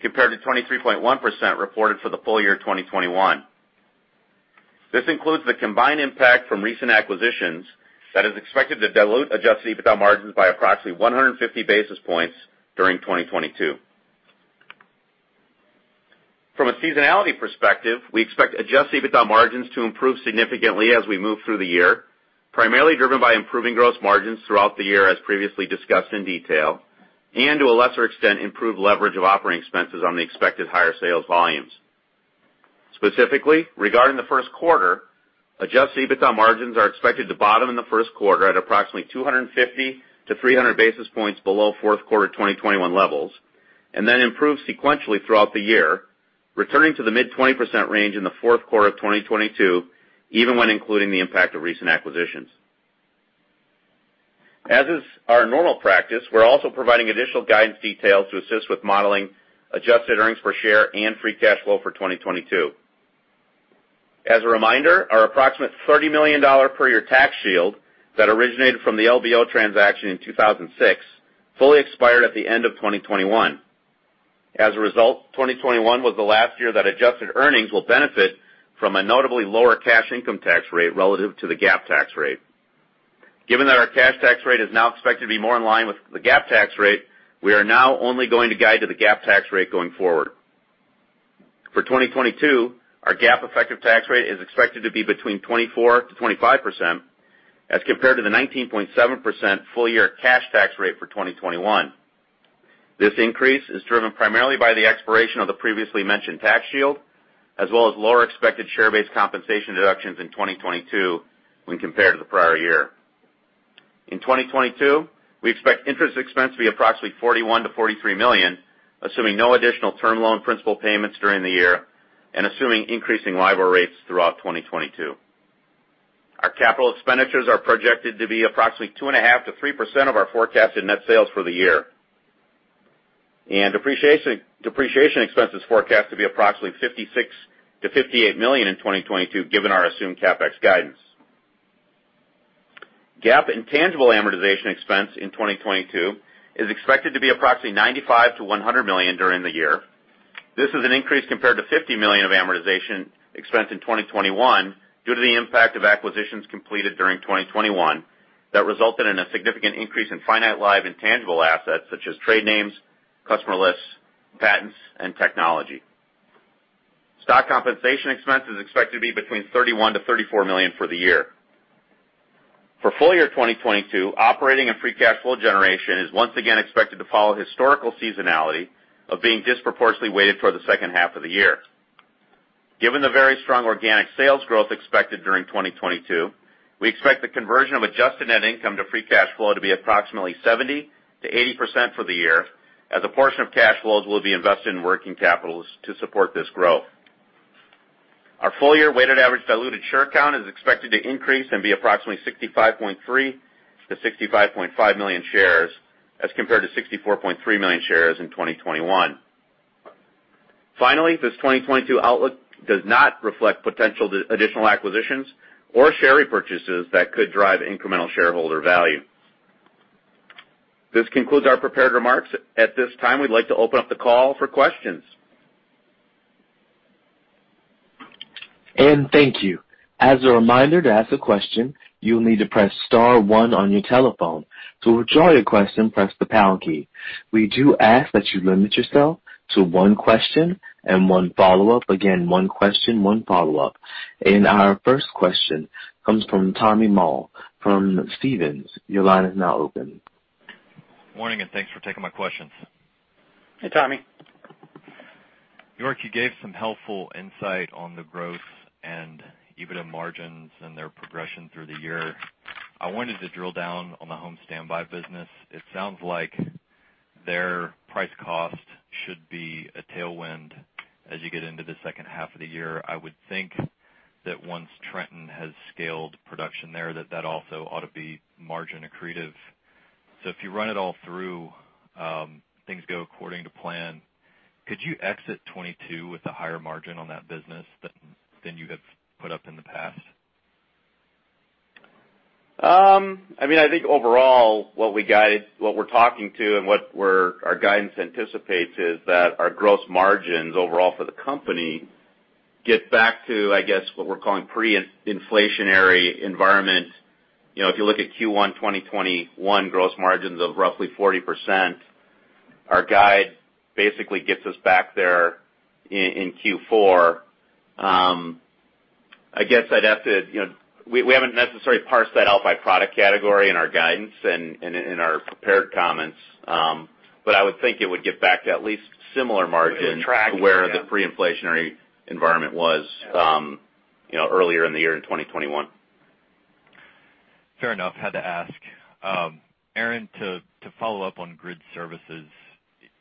compared to 23.1% reported for the full year 2021. This includes the combined impact from recent acquisitions that is expected to dilute adjusted EBITDA margins by approximately 150 basis points during 2022. From a seasonality perspective, we expect adjusted EBITDA margins to improve significantly as we move through the year, primarily driven by improving gross margins throughout the year as previously discussed in detail, and to a lesser extent, improved leverage of operating expenses on the expected higher sales volumes. Specifically, regarding the first quarter, adjusted EBITDA margins are expected to bottom in the first quarter at approximately 250-300 basis points below fourth quarter 2021 levels, and then improve sequentially throughout the year, returning to the mid-20% range in the fourth quarter of 2022, even when including the impact of recent acquisitions. As is our normal practice, we're also providing additional guidance details to assist with modeling adjusted earnings per share and free cash flow for 2022. As a reminder, our approximate $30 million per year tax shield that originated from the LBO transaction in 2006 fully expired at the end of 2021. As a result, 2021 was the last year that adjusted earnings will benefit from a notably lower cash income tax rate relative to the GAAP tax rate. Given that our cash tax rate is now expected to be more in line with the GAAP tax rate, we are now only going to guide to the GAAP tax rate going forward. For 2022, our GAAP effective tax rate is expected to be between 24%-25% as compared to the 19.7% full year cash tax rate for 2021. This increase is driven primarily by the expiration of the previously mentioned tax shield as well as lower expected share-based compensation deductions in 2022 when compared to the prior year. In 2022, we expect interest expense to be approximately $41 million-$43 million, assuming no additional term loan principal payments during the year and assuming increasing LIBOR rates throughout 2022. Our capital expenditures are projected to be approximately 2.5%-3% of our forecasted net sales for the year. Depreciation expense is forecast to be approximately $56 million-$58 million in 2022, given our assumed CapEx guidance. GAAP intangible amortization expense in 2022 is expected to be approximately $95 million-$100 million during the year. This is an increase compared to $50 million of amortization expense in 2021 due to the impact of acquisitions completed during 2021 that resulted in a significant increase in finite-lived intangible assets such as trade names, customer lists, patents, and technology. Stock compensation expense is expected to be between $31 million-$34 million for the year. For full year 2022, operating and free cash flow generation is once again expected to follow historical seasonality of being disproportionately weighted toward the second half of the year. Given the very strong organic sales growth expected during 2022, we expect the conversion of adjusted net income to free cash flow to be approximately 70%-80% for the year, as a portion of cash flows will be invested in working capital to support this growth. Our full year weighted average diluted share count is expected to increase and be approximately 65.3-65.5 million shares as compared to 64.3 million shares in 2021. Finally, this 2022 outlook does not reflect potential additional acquisitions or share repurchases that could drive incremental shareholder value. This concludes our prepared remarks. At this time, we'd like to open up the call for questions. Thank you. As a reminder, to ask a question, you'll need to press star one on your telephone. To withdraw your question, press the pound key. We do ask that you limit yourself to one question and one follow-up. Again, one question, one follow-up. Our first question comes from Tommy Moll from Stephens. Your line is now open. Morning, and thanks for taking my questions. Hey, Tommy. York, you gave some helpful insight on the growth and EBITDA margins and their progression through the year. I wanted to drill down on the home standby business. It sounds like their price cost should be a tailwind as you get into the second half of the year. I would think that once Trenton has scaled production there, that also ought to be margin accretive. If you run it all through, things go according to plan, could you exit 2022 with a higher margin on that business than you have put up in the past? I mean, I think overall our guidance anticipates is that our gross margins overall for the company get back to, I guess, what we're calling pre-inflationary environment. You know, if you look at Q1 2021 gross margins of roughly 40%, our guide basically gets us back there in Q4. I guess I'd have to... You know, we haven't necessarily parsed that out by product category in our guidance and in our prepared comments, but I would think it would get back to at least similar margin- Track, yeah. to where the pre-inflationary environment was, you know, earlier in the year in 2021. Fair enough. Had to ask. Aaron, to follow up on grid services,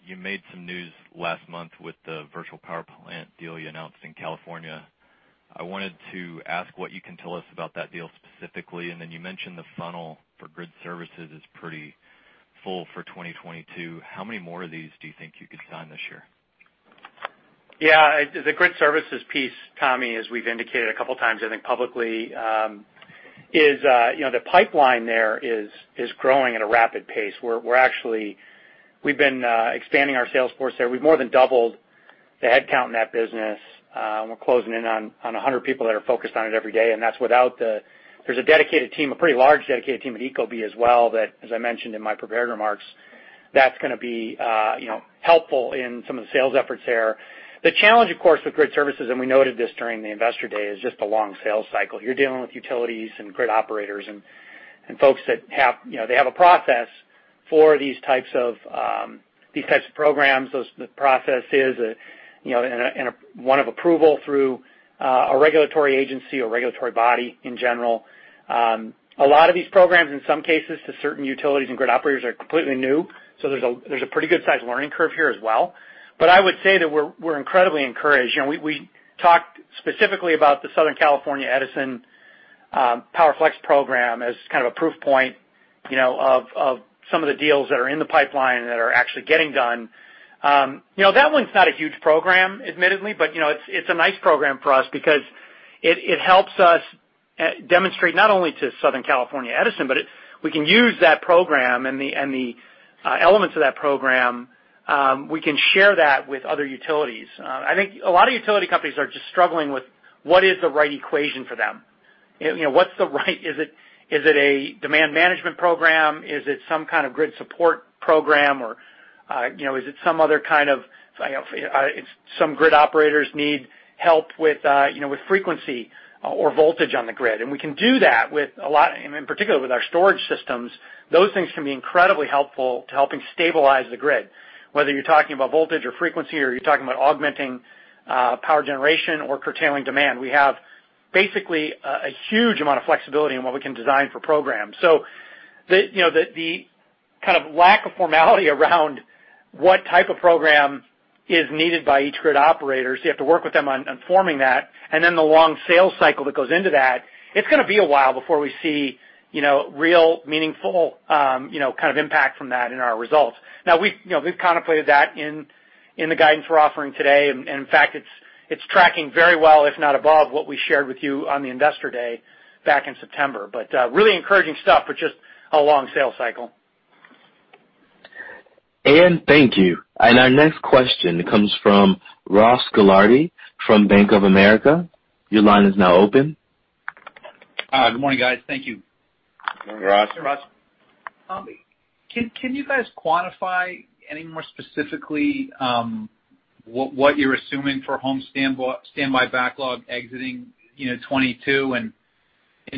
you made some news last month with the virtual power plant deal you announced in California. I wanted to ask what you can tell us about that deal specifically. Then you mentioned the funnel for grid services is pretty full for 2022. How many more of these do you think you could sign this year? Yeah. The grid services piece, Tommy, as we've indicated a couple times, I think publicly, is you know, the pipeline there is growing at a rapid pace. We've been expanding our sales force there. We've more than doubled the headcount in that business. And we're closing in on 100 people that are focused on it every day, and that's without the. There's a dedicated team, a pretty large dedicated team at Ecobee as well that, as I mentioned in my prepared remarks, that's gonna be you know, helpful in some of the sales efforts there. The challenge, of course, with grid services, and we noted this during the Investor Day, is just the long sales cycle. You're dealing with utilities and grid operators and folks that have. You know, they have a process for these types of programs. The process is, you know, one of approval through a regulatory agency or regulatory body in general. A lot of these programs, in some cases to certain utilities and grid operators, are completely new, so there's a pretty good sized learning curve here as well. I would say that we're incredibly encouraged. You know, we talked specifically about the Southern California Edison PowerFlex program as kind of a proof point, you know, of some of the deals that are in the pipeline that are actually getting done. You know, that one's not a huge program, admittedly, but you know, it's a nice program for us because it helps us demonstrate not only to Southern California Edison, but we can use that program and the elements of that program. We can share that with other utilities. I think a lot of utility companies are just struggling with what is the right equation for them. You know, what's the right. Is it a demand management program? Is it some kind of grid support program, or you know, is it some other kind of. It's some grid operators need help with you know, with frequency or voltage on the grid. We can do that with a lot, and in particular with our storage systems. Those things can be incredibly helpful to helping stabilize the grid, whether you're talking about voltage or frequency or you're talking about augmenting power generation or curtailing demand. We have basically a huge amount of flexibility in what we can design for programs. The kind of lack of formality around what type of program is needed by each grid operators, you have to work with them on forming that, and then the long sales cycle that goes into that. It's gonna be a while before we see you know, real meaningful kind of impact from that in our results. Now we've contemplated that in the guidance we're offering today, and in fact, it's tracking very well, if not above what we shared with you on the Investor Day back in September. Really encouraging stuff, but just a long sales cycle. Aaron, thank you. Our next question comes from Ross Gilardi from Bank of America. Your line is now open. Hi. Good morning, guys. Thank you. Good morning, Ross. Hey, Ross. Can you guys quantify any more specifically what you're assuming for home standby backlog exiting 2022, and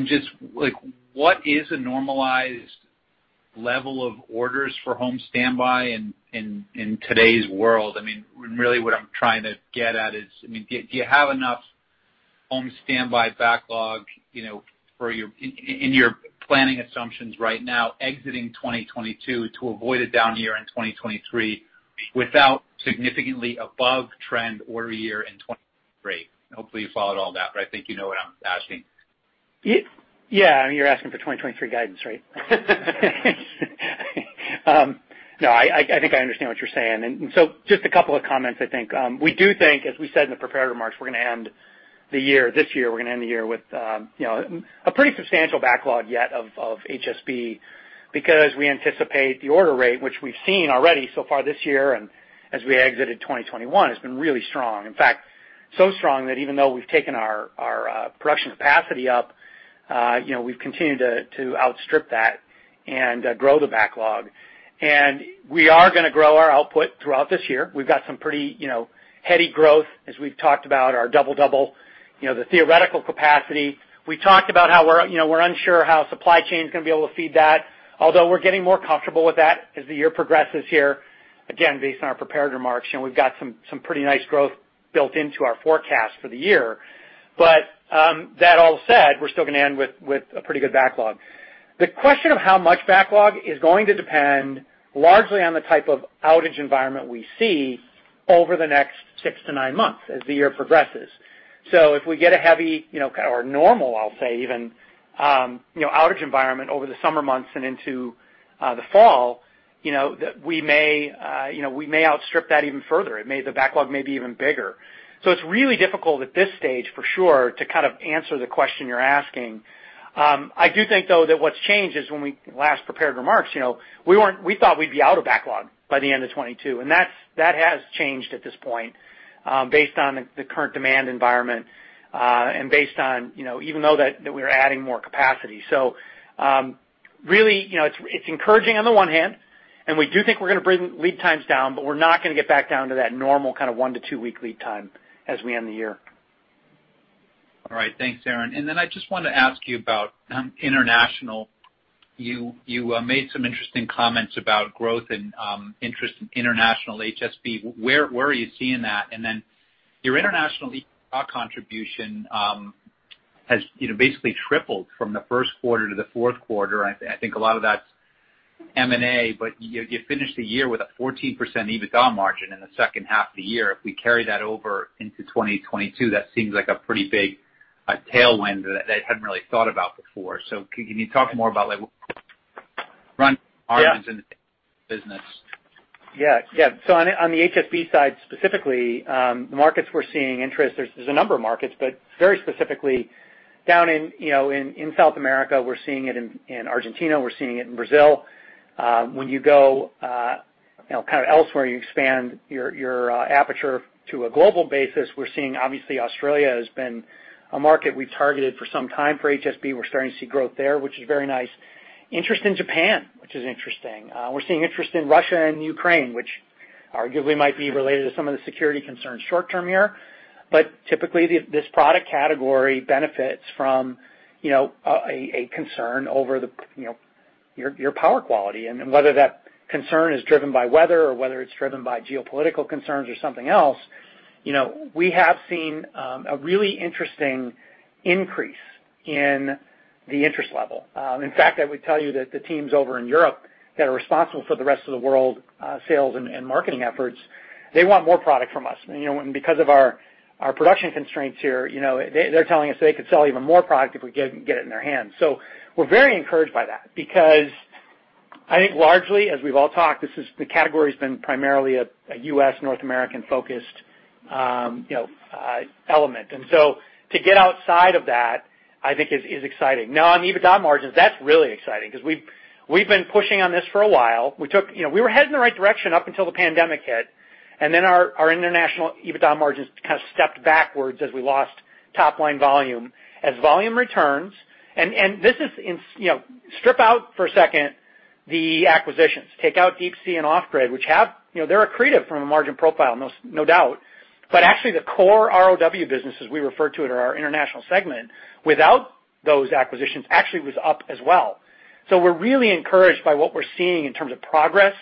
just like what is a normalized level of orders for home standby in today's world? I mean, really what I'm trying to get at is, I mean, do you have enough home standby backlog, you know, in your planning assumptions right now exiting 2022 to avoid a down year in 2023 without significantly above trend order year in 2023? Hopefully, you followed all that, but I think you know what I'm asking. Yeah, I mean, you're asking for 2023 guidance, right? No, I think I understand what you're saying. Just a couple of comments, I think. We do think, as we said in the prepared remarks, we're gonna end this year with, you know, a pretty substantial backlog yet of HSB. Because we anticipate the order rate, which we've seen already so far this year and as we exited 2021, has been really strong. In fact, so strong that even though we've taken our production capacity up, you know, we've continued to outstrip that and grow the backlog. We are gonna grow our output throughout this year. We've got some pretty, you know, heady growth as we've talked about our double-double, you know, the theoretical capacity. We talked about how we're, you know, we're unsure how supply chain is gonna be able to feed that, although we're getting more comfortable with that as the year progresses here. Again, based on our prepared remarks, you know, we've got some pretty nice growth built into our forecast for the year. That all said, we're still gonna end with a pretty good backlog. The question of how much backlog is going to depend largely on the type of outage environment we see over the next six to nine months as the year progresses. If we get a heavy, you know, or normal, I'll say even, you know, outage environment over the summer months and into the fall, you know, that we may, you know, we may outstrip that even further. The backlog may be even bigger. It's really difficult at this stage for sure to kind of answer the question you're asking. I do think though that what's changed is when we last prepared remarks, you know, we thought we'd be out of backlog by the end of 2022, and that's changed at this point, based on the current demand environment, and based on, you know, even though that we're adding more capacity. Really, you know, it's encouraging on the one hand, and we do think we're gonna bring lead times down, but we're not gonna get back down to that normal kind of one- to two-week lead time as we end the year. All right. Thanks, Aaron. I just wanna ask you about international. You made some interesting comments about growth in interest in international HSB. Where are you seeing that? Your international EBITDA contribution has, you know, basically tripled from the first quarter to the fourth quarter. I think a lot of that's M&A, but you finished the year with a 14% EBITDA margin in the second half of the year. If we carry that over into 2022, that seems like a pretty big tailwind that I hadn't really thought about before. Can you talk more about like margins in the business? On the HSB side specifically, the markets we're seeing interest in. There's a number of markets, but very specifically down in South America, we're seeing it in Argentina, we're seeing it in Brazil. When you go kinda elsewhere, you expand your aperture to a global basis, we're seeing obviously Australia has been a market we targeted for some time for HSB. We're starting to see growth there, which is very nice. Interest in Japan, which is interesting. We're seeing interest in Russia and Ukraine, which arguably might be related to some of the security concerns short-term here. But typically, this product category benefits from a concern over your power quality. Whether that concern is driven by weather or whether it's driven by geopolitical concerns or something else, you know, we have seen a really interesting increase in the interest level. In fact, I would tell you that the teams over in Europe that are responsible for the rest of the world sales and marketing efforts, they want more product from us. You know, because of our production constraints here, you know, they're telling us they could sell even more product if we get it in their hands. We're very encouraged by that because I think largely, as we've all talked, this is the category's been primarily a U.S. North American-focused, you know, element. To get outside of that, I think is exciting. Now on EBITDA margins, that's really exciting 'cause we've been pushing on this for a while. You know, we were heading the right direction up until the pandemic hit, and then our international EBITDA margins kind of stepped backwards as we lost top line volume. As volume returns, you know, strip out for a second the acquisitions. Take out Deep Sea and Off Grid, which have, you know, they're accretive from a margin profile, no doubt. But actually the core ROW business, as we refer to it, or our international segment, without those acquisitions actually was up as well. So we're really encouraged by what we're seeing in terms of progress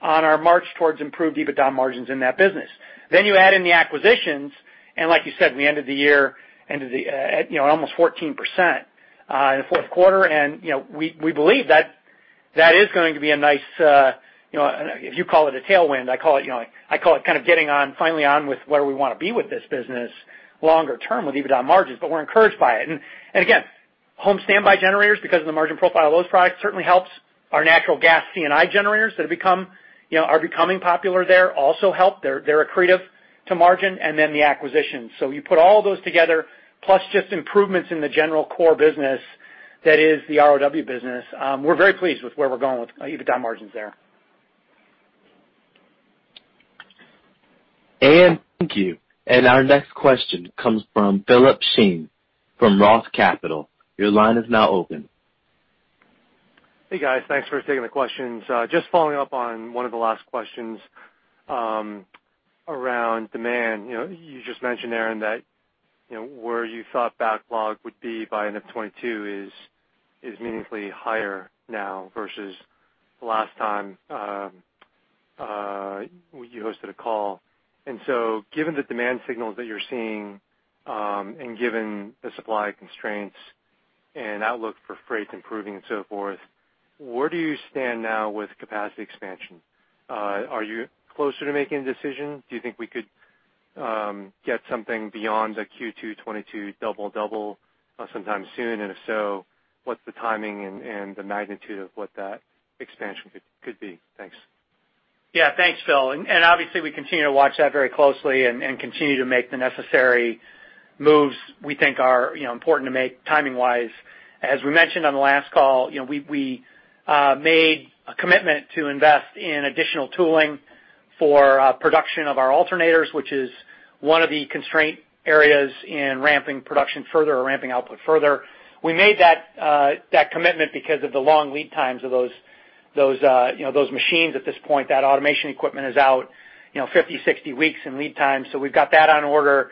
on our march towards improved EBITDA margins in that business. You add in the acquisitions, and like you said, in the end of the year, you know, almost 14% in the fourth quarter. You know, we believe that that is going to be a nice, you know, if you call it a tailwind, I call it kind of finally on with where we wanna be with this business longer term with EBITDA margins, but we're encouraged by it. Again, home standby generators, because of the margin profile of those products, certainly helps our natural gas C&I generators that are becoming popular there, also help. They're accretive to margin, and then the acquisition. You put all those together, plus just improvements in the general core business, that is the ROW business, we're very pleased with where we're going with EBITDA margins there. Thank you. Our next question comes from Philip Shen from ROTH Capital. Your line is now open. Hey, guys. Thanks for taking the questions. Just following up on one of the last questions around demand. You know, you just mentioned, Aaron, that you know, where you thought backlog would be by end of 2022 is meaningfully higher now versus the last time you hosted a call. Given the demand signals that you're seeing and given the supply constraints and outlook for freight improving and so forth, where do you stand now with capacity expansion? Are you closer to making a decision? Do you think we could get something beyond the Q2 2022 double double sometime soon? If so, what's the timing and the magnitude of what that expansion could be? Thanks. Yeah. Thanks, Philip. Obviously, we continue to watch that very closely and continue to make the necessary moves we think are, you know, important to make timing-wise. As we mentioned on the last call, you know, we made a commitment to invest in additional tooling for production of our alternators, which is one of the constraint areas in ramping production further or ramping output further. We made that commitment because of the long lead times of those, you know, those machines at this point. That automation equipment is out, you know, 50, 60 weeks in lead time, so we've got that on order.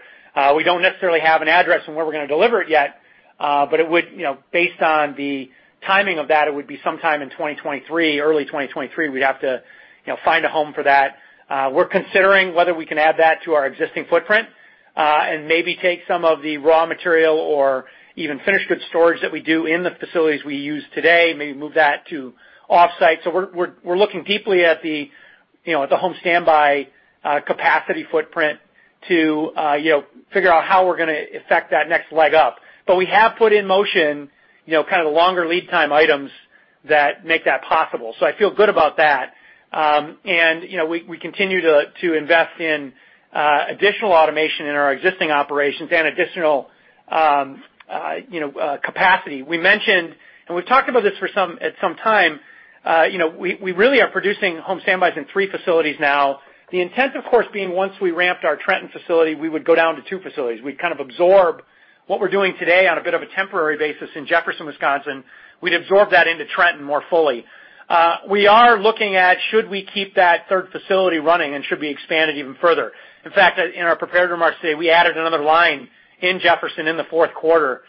We don't necessarily have an address on where we're gonna deliver it yet, but it would, you know, based on the timing of that, it would be sometime in 2023, early 2023. We'd have to, you know, find a home for that. We're considering whether we can add that to our existing footprint, and maybe take some of the raw material or even finished goods storage that we do in the facilities we use today, maybe move that to offsite. We're looking deeply at the, you know, at the home standby capacity footprint to, you know, figure out how we're gonna effect that next leg up. We have put in motion, you know, kind of the longer lead time items that make that possible. I feel good about that. You know, we continue to invest in additional automation in our existing operations and additional capacity. We mentioned we've talked about this for some time, you know, we really are producing home standbys in three facilities now. The intent, of course, being once we ramped our Trenton facility, we would go down to two facilities. We'd kind of absorb what we're doing today on a bit of a temporary basis in Jefferson, Wisconsin, into Trenton more fully. We are looking at should we keep that third facility running and should we expand it even further. In fact, in our prepared remarks today, we added another line in Jefferson in the fourth quarter.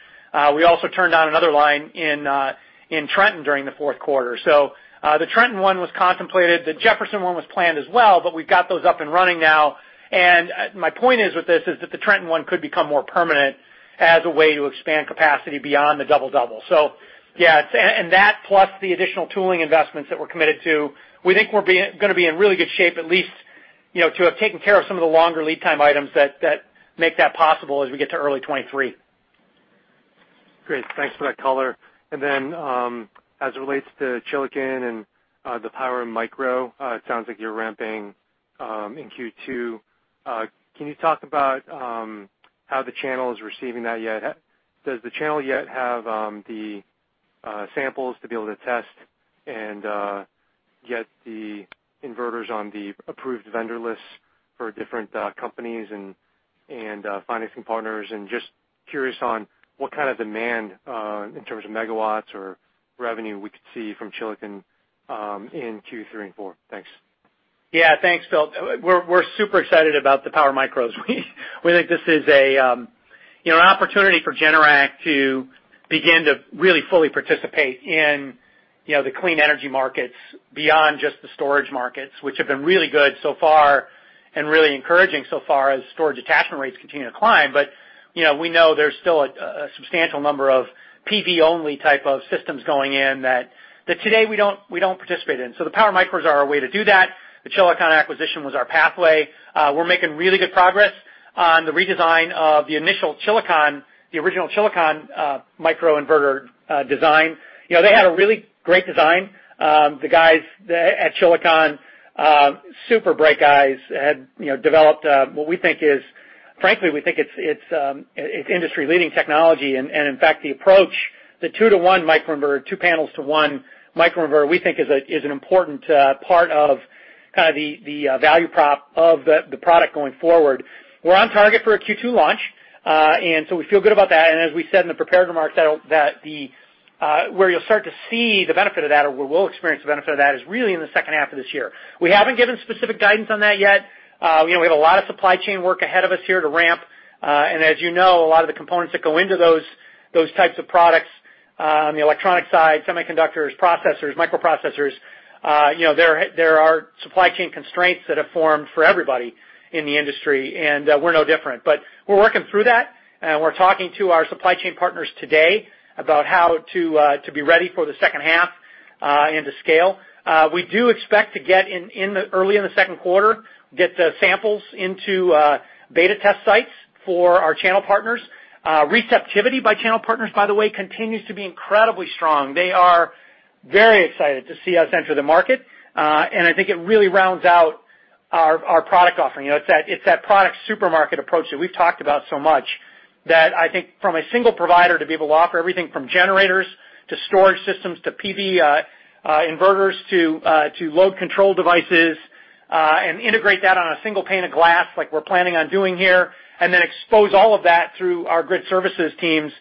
We also turned on another line in Trenton during the fourth quarter. The Trenton one was contemplated. The Jefferson one was planned as well, but we've got those up and running now. My point is with this is that the Trenton one could become more permanent as a way to expand capacity beyond the double-double. Yeah, that plus the additional tooling investments that we're committed to, we think we're gonna be in really good shape, at least, you know, to have taken care of some of the longer lead time items that make that possible as we get to early 2023. Great. Thanks for that color. As it relates to Chilicon and the PWRmicro, it sounds like you're ramping in Q2. Can you talk about how the channel is receiving that yet? Does the channel yet have the samples to be able to test and get the inverters on the approved vendor list for different companies and financing partners? Just curious on what kind of demand in terms of megawatts or revenue we could see from Chilicon in Q3 and 4. Thanks. Yeah. Thanks, Phil. We're super excited about the PWRmicros. We think this is a, you know, an opportunity for Generac to begin to really fully participate in, you know, the clean energy markets beyond just the storage markets, which have been really good so far and really encouraging so far as storage attachment rates continue to climb. But, you know, we know there's still a substantial number of PV-only type of systems going in that today we don't participate in. So the PWRmicros are our way to do that. The Chilicon acquisition was our pathway. We're making really good progress on the redesign of the initial Chilicon, the original Chilicon microinverter design. You know, they had a really great design. The guys at Chilicon, super bright guys, had, you know, developed what we think is frankly, we think it's industry-leading technology. In fact, the approach, the two-to-one microinverter, two panels to one microinverter, we think is an important part of kind of the value prop of the product going forward. We're on target for a Q2 launch. We feel good about that. As we said in the prepared remarks, that's where you'll start to see the benefit of that or where we'll experience the benefit of that is really in the second half of this year. We haven't given specific guidance on that yet. You know, we have a lot of supply chain work ahead of us here to ramp. As you know, a lot of the components that go into those types of products. On the electronic side, semiconductors, processors, microprocessors, you know, there are supply chain constraints that have formed for everybody in the industry, and we're no different. We're working through that, and we're talking to our supply chain partners today about how to be ready for the second half and to scale. We do expect to get in early in the second quarter, get the samples into beta test sites for our channel partners. Receptivity by channel partners, by the way, continues to be incredibly strong. They are very excited to see us enter the market. I think it really rounds out our product offering. You know, it's that product supermarket approach that we've talked about so much, that I think from a single provider to be able to offer everything from generators to storage systems, to PV, inverters, to load control devices, and integrate that on a single pane of glass like we're planning on doing here, and then expose all of that through our grid services teams.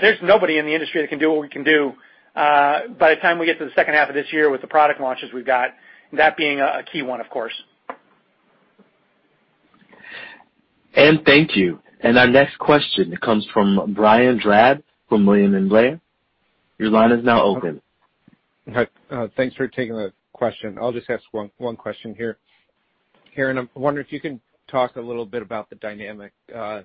There's nobody in the industry that can do what we can do, by the time we get to the second half of this year with the product launches we've got, that being a key one, of course. Thank you. Our next question comes from Brian Drab from William Blair. Your line is now open. Okay. Thanks for taking the question. I'll just ask one question here. Aaron Jagdfeld, I'm wondering if you can talk a little bit about the dynamic, I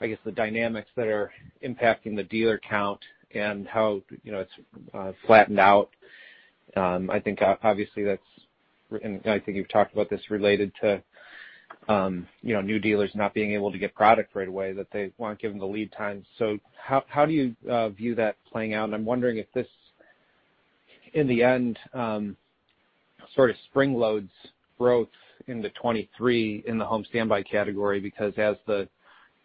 guess the dynamics that are impacting the dealer count and how, you know, it's flattened out. I think you've talked about this related to, you know, new dealers not being able to get product right away, that they want given the lead time. How do you view that playing out? I'm wondering if this, in the end, sort of spring loads growth into 2023 in the home standby category, because as the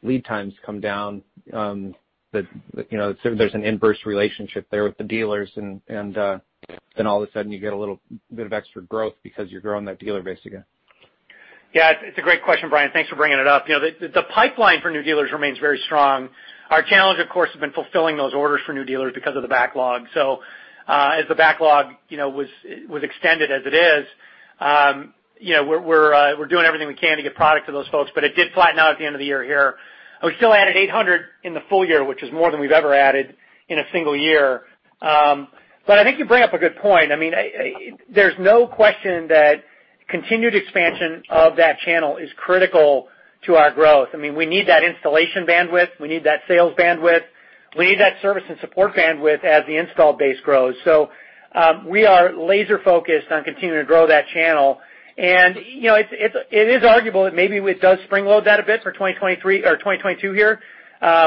lead times come down, you know, there's an inverse relationship there with the dealers and then all of a sudden you get a little bit of extra growth because you're growing that dealer base again. Yeah, it's a great question, Brian. Thanks for bringing it up. You know, the pipeline for new dealers remains very strong. Our challenge, of course, has been fulfilling those orders for new dealers because of the backlog. As the backlog was extended as it is, you know, we're doing everything we can to get product to those folks, but it did flatten out at the end of the year here. We still added 800 in the full year, which is more than we've ever added in a single year. I think you bring up a good point. I mean, there's no question that continued expansion of that channel is critical to our growth. I mean, we need that installation bandwidth. We need that sales bandwidth. We need that service and support bandwidth as the install base grows. We are laser focused on continuing to grow that channel. You know, it is arguable that maybe it does spring-load that a bit for 2023 or 2022 here.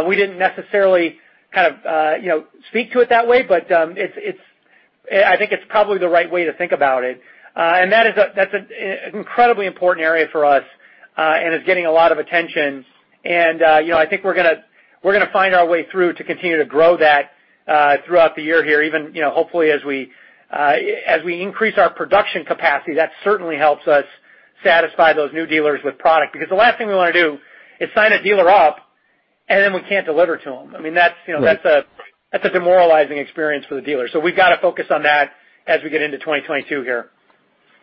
We didn't necessarily kind of, you know, speak to it that way, but I think it's probably the right way to think about it. That's an incredibly important area for us and is getting a lot of attention. You know, I think we're gonna find our way through to continue to grow that throughout the year here, even, you know, hopefully as we increase our production capacity, that certainly helps us satisfy those new dealers with product. Because the last thing we wanna do is sign a dealer up and then we can't deliver to them. I mean, that's, you know- Right. That's a demoralizing experience for the dealer. We've got to focus on that as we get into 2022 here.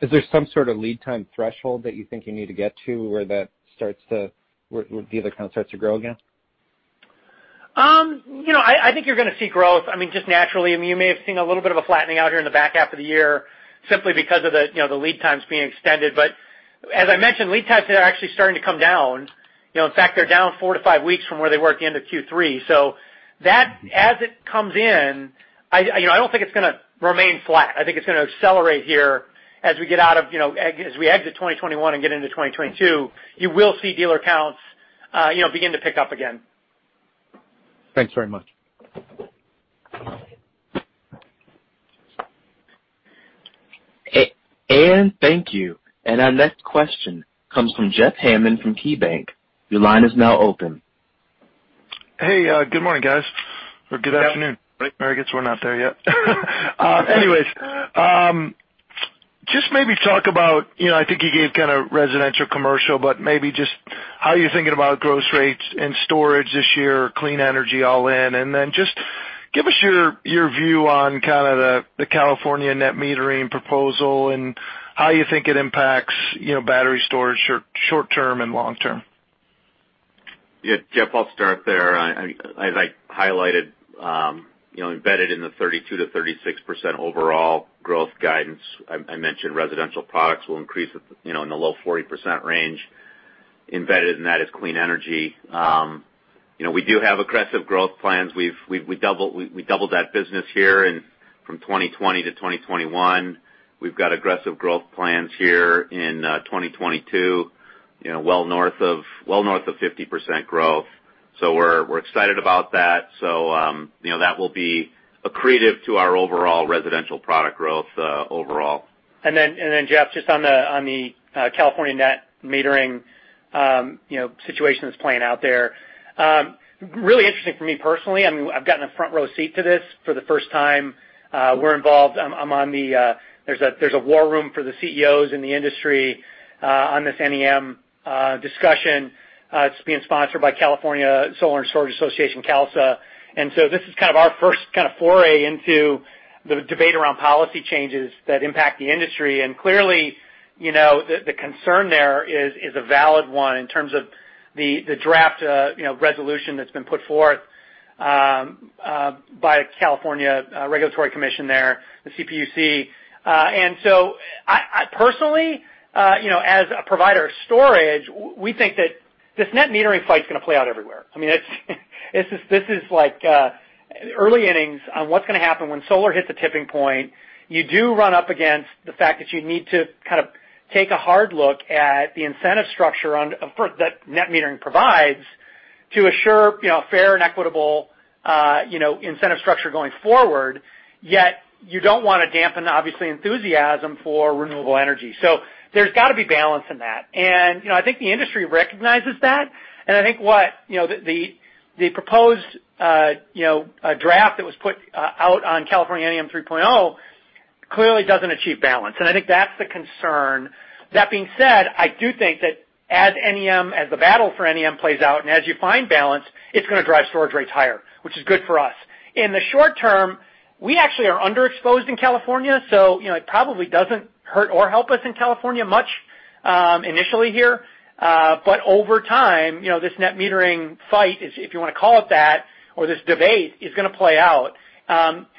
Is there some sort of lead time threshold that you think you need to get to where dealer count starts to grow again? You know, I think you're gonna see growth, I mean, just naturally. I mean, you may have seen a little bit of a flattening out here in the back half of the year simply because of the, you know, the lead times being extended. As I mentioned, lead times are actually starting to come down. You know, in fact, they're down four to five weeks from where they were at the end of Q3. So that, as it comes in, you know, I don't think it's gonna remain flat. I think it's gonna accelerate here as we get out of, you know, as we exit 2021 and get into 2022. You will see dealer counts, you know, begin to pick up again. Thanks very much. Thank you. Our next question comes from Jeff Hammond from KeyBanc. Your line is now open. Hey, good morning, guys, or good afternoon. Yeah. I guess we're not there yet. Anyways, just maybe talk about, you know, I think you gave kinda residential commercial, but maybe just how you're thinking about growth rates and storage this year, clean energy all in. Just give us your view on kinda the California net metering proposal and how you think it impacts, you know, battery storage short term and long term. Yeah. Jeff, I'll start there. As I highlighted, you know, embedded in the 32%-36% overall growth guidance, I mentioned residential products will increase, you know, in the low 40% range. Embedded in that is clean energy. You know, we do have aggressive growth plans. We doubled that business from 2020 to 2021. We've got aggressive growth plans here in 2022, you know, well north of 50% growth. We're excited about that. You know, that will be accretive to our overall residential product growth, overall. Then Jeff, just on the California net metering, you know, situation that's playing out there. Really interesting for me personally. I mean, I've gotten a front row seat to this for the first time, we're involved. I'm on the war room for the CEOs in the industry on this NEM discussion. It's being sponsored by California Solar & Storage Association, CALSSA. This is kind of our first kind of foray into the debate around policy changes that impact the industry. Clearly, you know, the concern there is a valid one in terms of the draft, you know, resolution that's been put forth by California Public Utilities Commission there, the CPUC. Personally, you know, as a provider of storage, we think that this net metering fight's gonna play out everywhere. I mean, this is like early innings on what's gonna happen when solar hits a tipping point. You do run up against the fact that you need to kind of take a hard look at the incentive structure, of course, that net metering provides to assure, you know, fair and equitable, you know, incentive structure going forward, yet you don't wanna dampen, obviously, enthusiasm for renewable energy. There's gotta be balance in that. You know, I think the industry recognizes that. I think what, you know, the proposed, you know, draft that was put out on California NEM 3.0 clearly doesn't achieve balance, and I think that's the concern. That being said, I do think that as NEM, as the battle for NEM plays out and as you find balance, it's gonna drive storage rates higher, which is good for us. In the short term, we actually are underexposed in California, so you know, it probably doesn't hurt or help us in California much, initially here. Over time, you know, this net metering fight is, if you wanna call it that, or this debate, is gonna play out.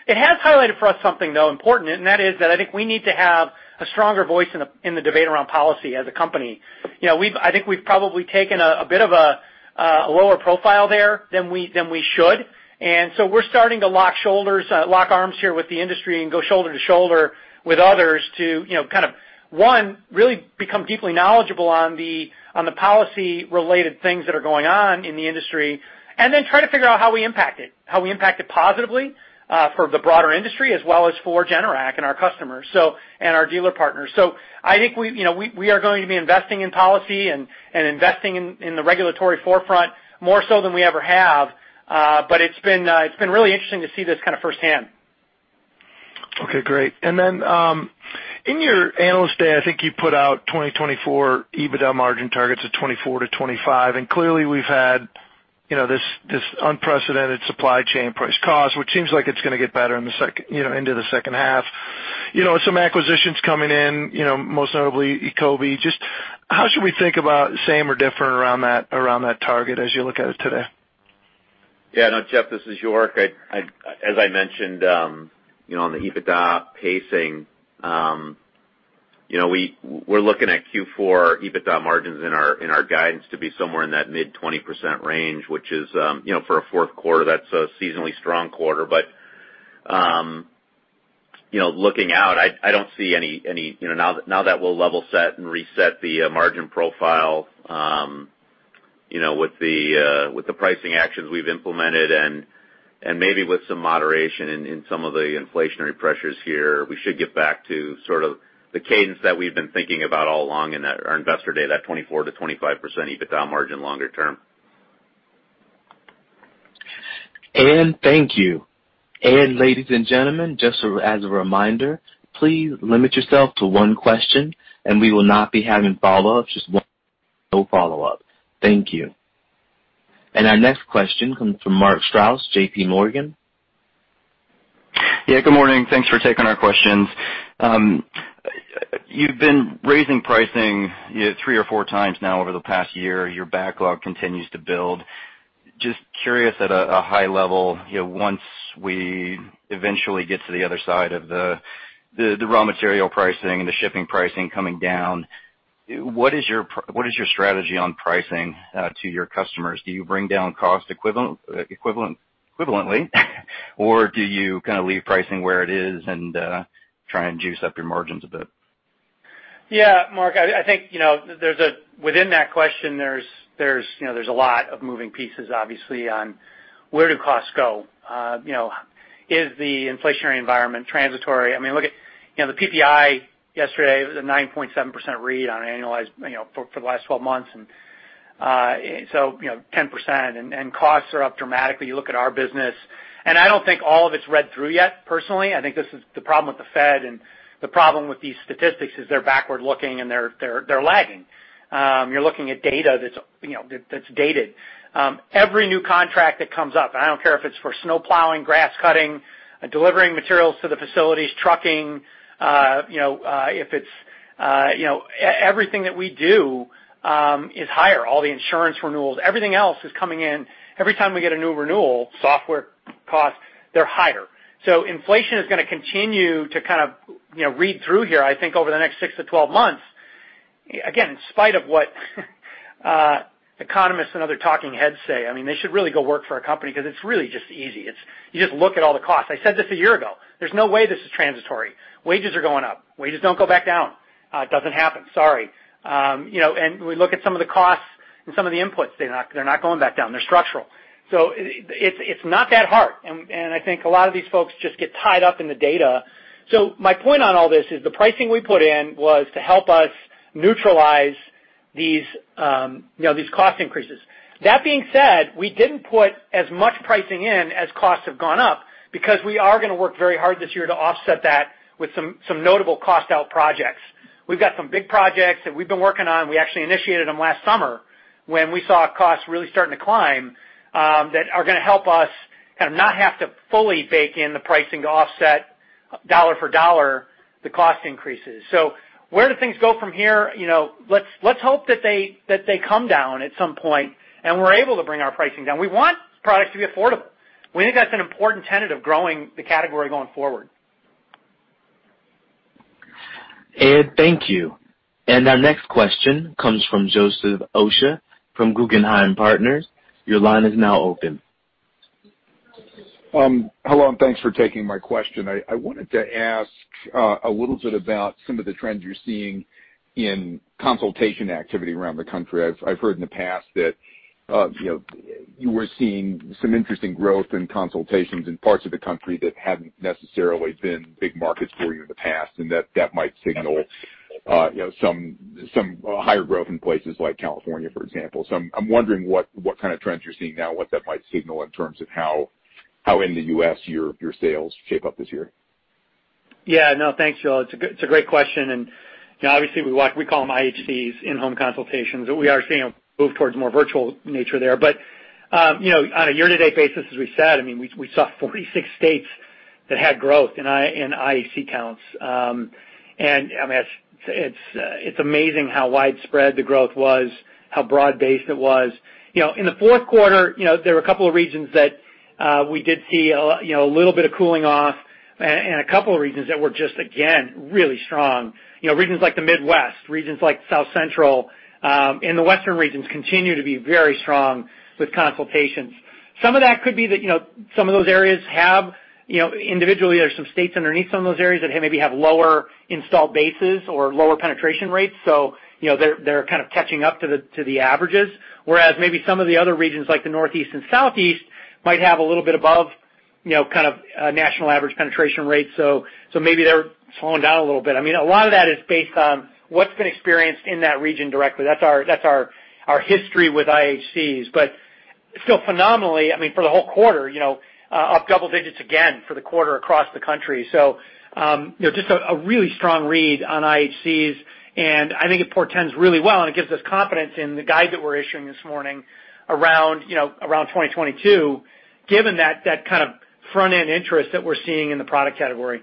It has highlighted for us something, though, important, and that is that I think we need to have a stronger voice in the debate around policy as a company. You know, I think we've probably taken a bit of a lower profile there than we should. We're starting to lock arms here with the industry and go shoulder to shoulder with others to, you know, kind of, one, really become deeply knowledgeable on the policy-related things that are going on in the industry, and then try to figure out how we impact it positively for the broader industry as well as for Generac and our customers, and our dealer partners. I think we, you know, are going to be investing in policy and investing in the regulatory forefront more so than we ever have. It's been really interesting to see this kind of firsthand. Okay, great. Then, in your Investor Day, I think you put out 2024 EBITDA margin targets of 24%-25%. Clearly, we've had, you know, this unprecedented supply chain price cost, which seems like it's gonna get better, you know, into the second half. You know, some acquisitions coming in, you know, most notably Ecobee. Just how should we think about same or different around that target as you look at it today? Yeah. No, Jeff, this is York. As I mentioned, you know, on the EBITDA pacing, you know, we're looking at Q4 EBITDA margins in our guidance to be somewhere in that mid-20% range, which is, you know, for a fourth quarter, that's a seasonally strong quarter. Looking out, I don't see any. You know, now that we'll level set and reset the margin profile, you know, with the pricing actions we've implemented and maybe with some moderation in some of the inflationary pressures here, we should get back to sort of the cadence that we've been thinking about all along than at our Investor Day, that 24%-25% EBITDA margin longer term. Thank you. Ladies and gentlemen, just as a reminder, please limit yourself to one question, and we will not be having follow-ups. Just one follow-up. Thank you. Our next question comes from Mark Strouse, JPMorgan. Yeah, good morning. Thanks for taking our questions. You've been raising pricing three or four times now over the past year. Your backlog continues to build. Just curious at a high level, you know, once we eventually get to the other side of the raw material pricing and the shipping pricing coming down, what is your strategy on pricing to your customers? Do you bring down cost equivalently? Or do you kinda leave pricing where it is and try and juice up your margins a bit? Yeah, Mark, I think, you know, there's a lot of moving pieces, obviously, on where do costs go. Is the inflationary environment transitory? I mean, look at the PPI yesterday, it was a 9.7% read on an annualized for the last twelve months, and so 10%. Costs are up dramatically. You look at our business. I don't think all of it's read through yet, personally. I think this is the problem with the Fed and the problem with these statistics is they're backward-looking and they're lagging. You're looking at data that's dated. Every new contract that comes up, and I don't care if it's for snow plowing, grass cutting, delivering materials to the facilities, trucking, you know, if it's, you know, everything that we do is higher. All the insurance renewals. Everything else is coming in. Every time we get a new renewal, software costs, they're higher. So inflation is gonna continue to kind of, you know, read through here, I think, over the next six to 12 months. Again, in spite of what economists and other talking heads say. I mean, they should really go work for a company 'cause it's really just easy. It's— You just look at all the costs. I said this a year ago. There's no way this is transitory. Wages are going up. Wages don't go back down. It doesn't happen. Sorry. You know, we look at some of the costs and some of the inputs. They're not going back down. They're structural. It's not that hard. I think a lot of these folks just get tied up in the data. My point on all this is the pricing we put in was to help us neutralize these, you know, these cost increases. That being said, we didn't put as much pricing in as costs have gone up because we are gonna work very hard this year to offset that with some notable cost out projects. We've got some big projects that we've been working on. We actually initiated them last summer. When we saw costs really starting to climb, that are gonna help us kind of not have to fully bake in the pricing to offset dollar for dollar the cost increases. Where do things go from here? You know, let's hope that they come down at some point and we're able to bring our pricing down. We want products to be affordable. We think that's an important tenet of growing the category going forward. Ed, thank you. Our next question comes from Joseph Osha from Guggenheim Partners. Your line is now open. Hello, and thanks for taking my question. I wanted to ask a little bit about some of the trends you're seeing in consultation activity around the country. You know, I've heard in the past that you were seeing some interesting growth in consultations in parts of the country that hadn't necessarily been big markets for you in the past, and that might signal you know, some higher growth in places like California, for example. I'm wondering what kind of trends you're seeing now, what that might signal in terms of how in the US your sales shape up this year. Yeah, no, thanks, Joe. It's a great question, and you know, obviously we watch, we call them IHCs, in-home consultations. We are seeing a move towards more virtual nature there. But you know, on a year-to-date basis, as we said, I mean, we saw 46 states that had growth in IHC counts. And I mean, it's amazing how widespread the growth was, how broad-based it was. You know, in the fourth quarter, you know, there were a couple of regions that we did see a little bit of cooling off and a couple of regions that were just again, really strong. You know, regions like the Midwest, regions like South Central, and the Western regions continue to be very strong with consultations. Some of that could be that, you know, some of those areas have, you know, individually, there's some states underneath some of those areas that maybe have lower install bases or lower penetration rates, so, you know, they're kind of catching up to the averages. Whereas maybe some of the other regions, like the Northeast and Southeast, might have a little bit above, you know, kind of national average penetration rates. Maybe they're slowing down a little bit. I mean, a lot of that is based on what's been experienced in that region directly. That's our history with IHCs. Still phenomenally, I mean, for the whole quarter, you know, up double digits again for the quarter across the country. You know, just a really strong read on IHCs, and I think it portends really well, and it gives us confidence in the guide that we're issuing this morning around, you know, around 2022, given that kind of front-end interest that we're seeing in the product category.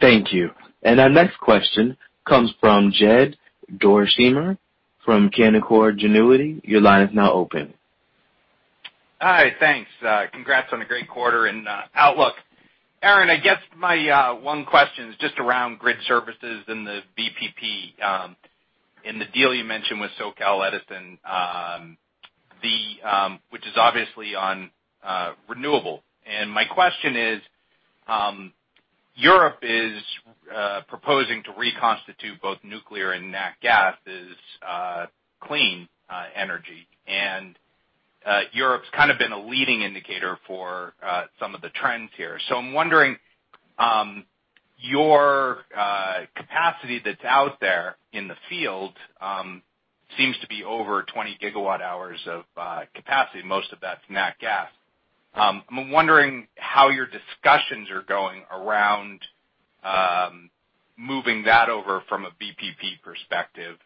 Thank you. Our next question comes from Jed Dorsheimer from Canaccord Genuity. Your line is now open. Hi, thanks. Congrats on a great quarter and outlook. Aaron, I guess my one question is just around grid services and the VPP, and the deal you mentioned with SoCal Edison, which is obviously on renewable. My question is, Europe is proposing to reconstitute both nuclear and nat gas as clean energy. Europe's kind of been a leading indicator for some of the trends here. I'm wondering, your capacity that's out there in the field seems to be over 20 GWh of capacity, most of that's nat gas. I'm wondering how your discussions are going around moving that over from a VPP perspective,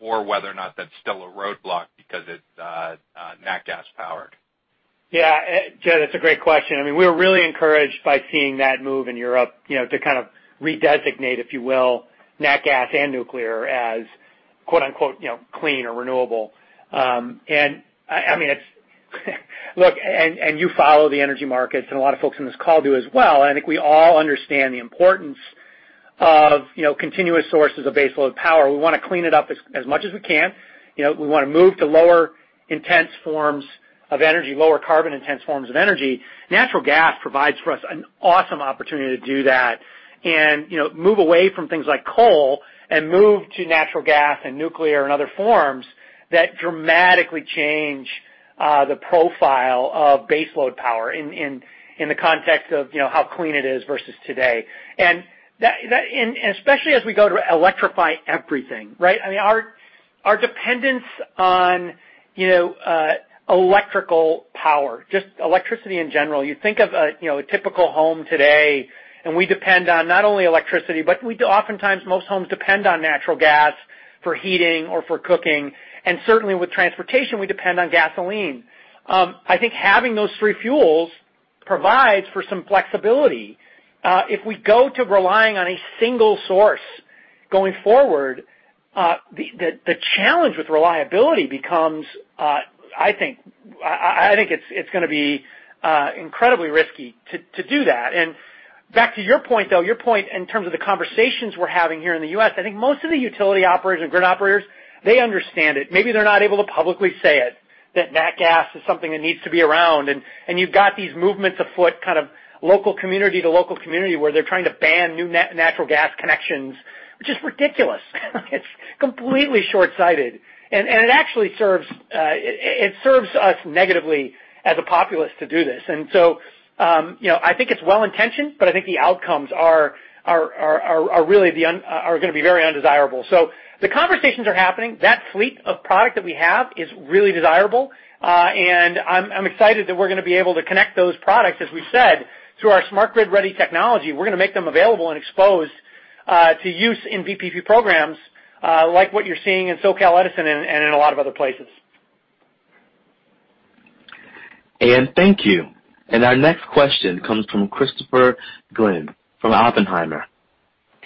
or whether or not that's still a roadblock because it's nat gas powered. Yeah, Jed, that's a great question. I mean, we're really encouraged by seeing that move in Europe, you know, to kind of redesignate, if you will, nat gas and nuclear as quote-unquote, you know, clean or renewable. You follow the energy markets and a lot of folks on this call do as well, and I think we all understand the importance of, you know, continuous sources of baseload power. We wanna clean it up as much as we can. You know, we wanna move to lower intense forms of energy, lower carbon intense forms of energy. Natural gas provides for us an awesome opportunity to do that. You know, move away from things like coal and move to natural gas and nuclear and other forms that dramatically change the profile of baseload power in the context of, you know, how clean it is versus today. That and especially as we go to electrify everything, right? I mean, our dependence on, you know, electrical power, just electricity in general. You think of, you know, a typical home today, and we depend on not only electricity, but we oftentimes most homes depend on natural gas for heating or for cooking, and certainly with transportation, we depend on gasoline. I think having those three fuels provides for some flexibility. If we go to relying on a single source going forward, the challenge with reliability becomes, I think it's gonna be incredibly risky to do that. Back to your point, though, your point in terms of the conversations we're having here in the U.S., I think most of the utility operators and grid operators, they understand it. Maybe they're not able to publicly say it, that nat gas is something that needs to be around. You've got these movements afoot kind of local community to local community where they're trying to ban new natural gas connections, which is ridiculous. It's completely short-sighted. It actually serves us negatively as a populace to do this. You know, I think it's well-intentioned, but I think the outcomes are really gonna be very undesirable. The conversations are happening. That suite of product that we have is really desirable. And I'm excited that we're gonna be able to connect those products, as we've said, through our Smart Grid Ready technology, we're gonna make them available and exposed to use in VPP programs, like what you're seeing in SoCal Edison and in a lot of other places. Thank you. Our next question comes from Christopher Glynn from Oppenheimer.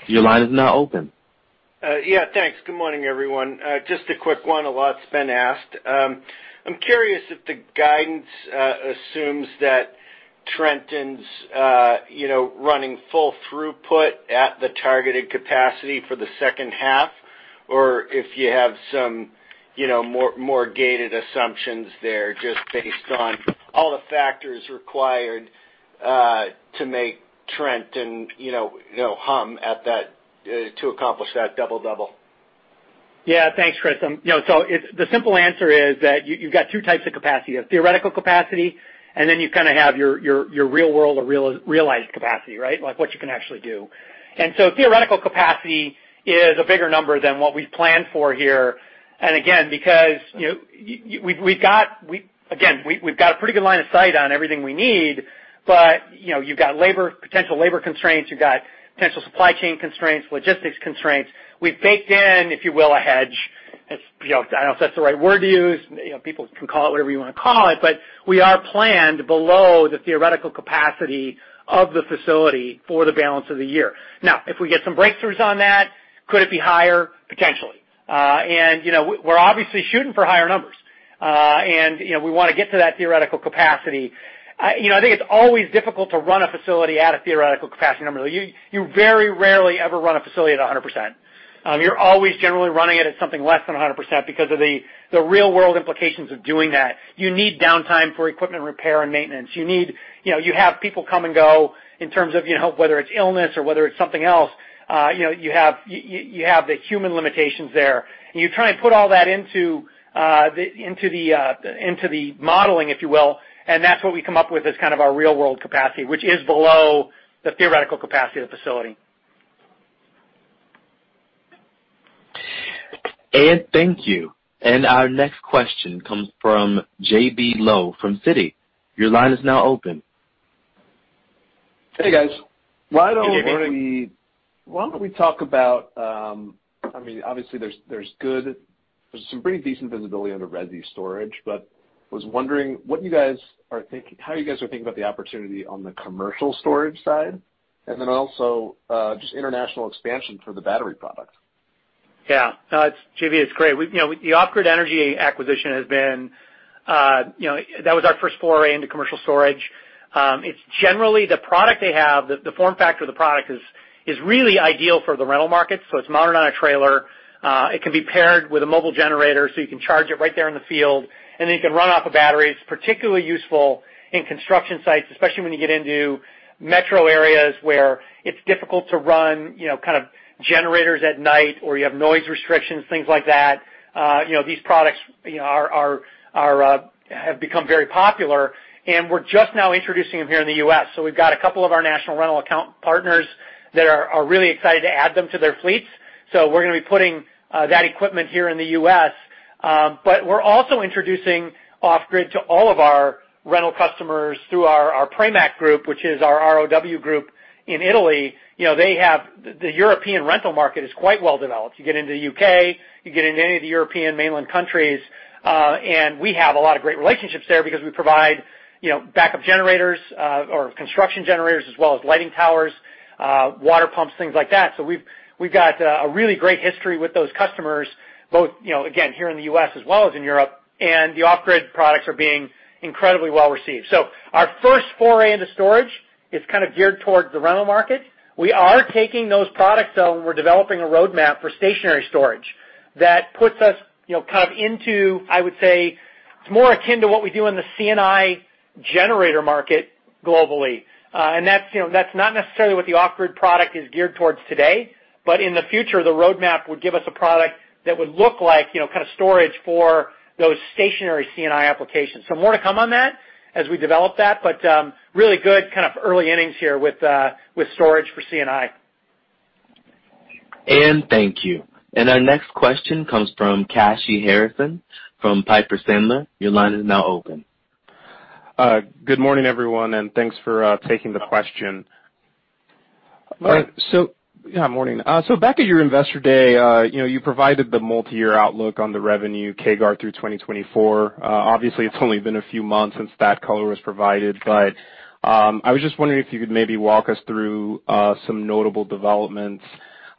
Your line is now open. Yeah, thanks. Good morning, everyone. Just a quick one. A lot's been asked. I'm curious if the guidance assumes that Trenton's, you know, running full throughput at the targeted capacity for the second half, or if you have some, you know, more gated assumptions there just based on all the factors required to make Trenton, you know, hum at that to accomplish that double-double. Yeah. Thanks, Chris. The simple answer is that you've got two types of capacity. You have theoretical capacity, and then you kinda have your real-world or realized capacity, right? Like what you can actually do. Theoretical capacity is a bigger number than what we've planned for here. Because we've got a pretty good line of sight on everything we need. You've got labor, potential labor constraints. You've got potential supply chain constraints, logistics constraints. We've baked in, if you will, a hedge. It's, I don't know if that's the right word to use. People can call it whatever you wanna call it, but we are planned below the theoretical capacity of the facility for the balance of the year. Now, if we get some breakthroughs on that, could it be higher? Potentially. You know, we're obviously shooting for higher numbers. You know, we wanna get to that theoretical capacity. You know, I think it's always difficult to run a facility at a theoretical capacity number. You very rarely ever run a facility at 100%. You're always generally running it at something less than 100% because of the real-world implications of doing that. You need downtime for equipment repair and maintenance. You need, you know, you have people come and go in terms of, you know, whether it's illness or whether it's something else. You know, you have the human limitations there. You try and put all that into the modeling, if you will, and that's what we come up with as kind of our real-world capacity, which is below the theoretical capacity of the facility. Thank you. Our next question comes from J.B. Lowe from Citi. Your line is now open. Hey, guys. Hey, J.B. Why don't we talk about, I mean, obviously, there's some pretty decent visibility on the resi storage, but was wondering what you guys are thinking about the opportunity on the commercial storage side, and then also, just international expansion for the battery product. No, J.B., it's great. We, you know, the Off Grid Energy acquisition has been, you know, that was our first foray into commercial storage. It's generally the product they have, the form factor of the product is really ideal for the rental market. So it's mounted on a trailer. It can be paired with a mobile generator, so you can charge it right there in the field, and then you can run off a battery. It's particularly useful in construction sites, especially when you get into metro areas where it's difficult to run, you know, kind of generators at night, or you have noise restrictions, things like that. You know, these products, you know, have become very popular, and we're just now introducing them here in the U.S. We've got a couple of our national rental account partners that are really excited to add them to their fleets. We're gonna be putting that equipment here in the U.S. We're also introducing Off Grid to all of our rental customers through our Pramac group, which is our ROW group in Italy. You know, they have the European rental market is quite well developed. You get into the U.K., you get into any of the European mainland countries, and we have a lot of great relationships there because we provide, you know, backup generators or construction generators as well as lighting towers, water pumps, things like that. We've got a really great history with those customers both, you know, again, here in the U.S. as well as in Europe, and the off-grid products are being incredibly well received. Our first foray into storage is kind of geared towards the rental market. We are taking those products, though, and we're developing a roadmap for stationary storage that puts us, you know, kind of into, I would say, it's more akin to what we do in the C&I generator market globally. That's, you know, not necessarily what the off-grid product is geared towards today. In the future, the roadmap would give us a product that would look like, you know, kinda storage for those stationary C&I applications. more to come on that as we develop that, but really good kind of early innings here with storage for C&I. Thank you. Our next question comes from Kashy Harrison from Piper Sandler. Your line is now open. Good morning, everyone, and thanks for taking the question. Morning. Morning. Back at your Investor Day, you know, you provided the multi-year outlook on the revenue CAGR through 2024. Obviously, it's only been a few months since that color was provided, but I was just wondering if you could maybe walk us through some notable developments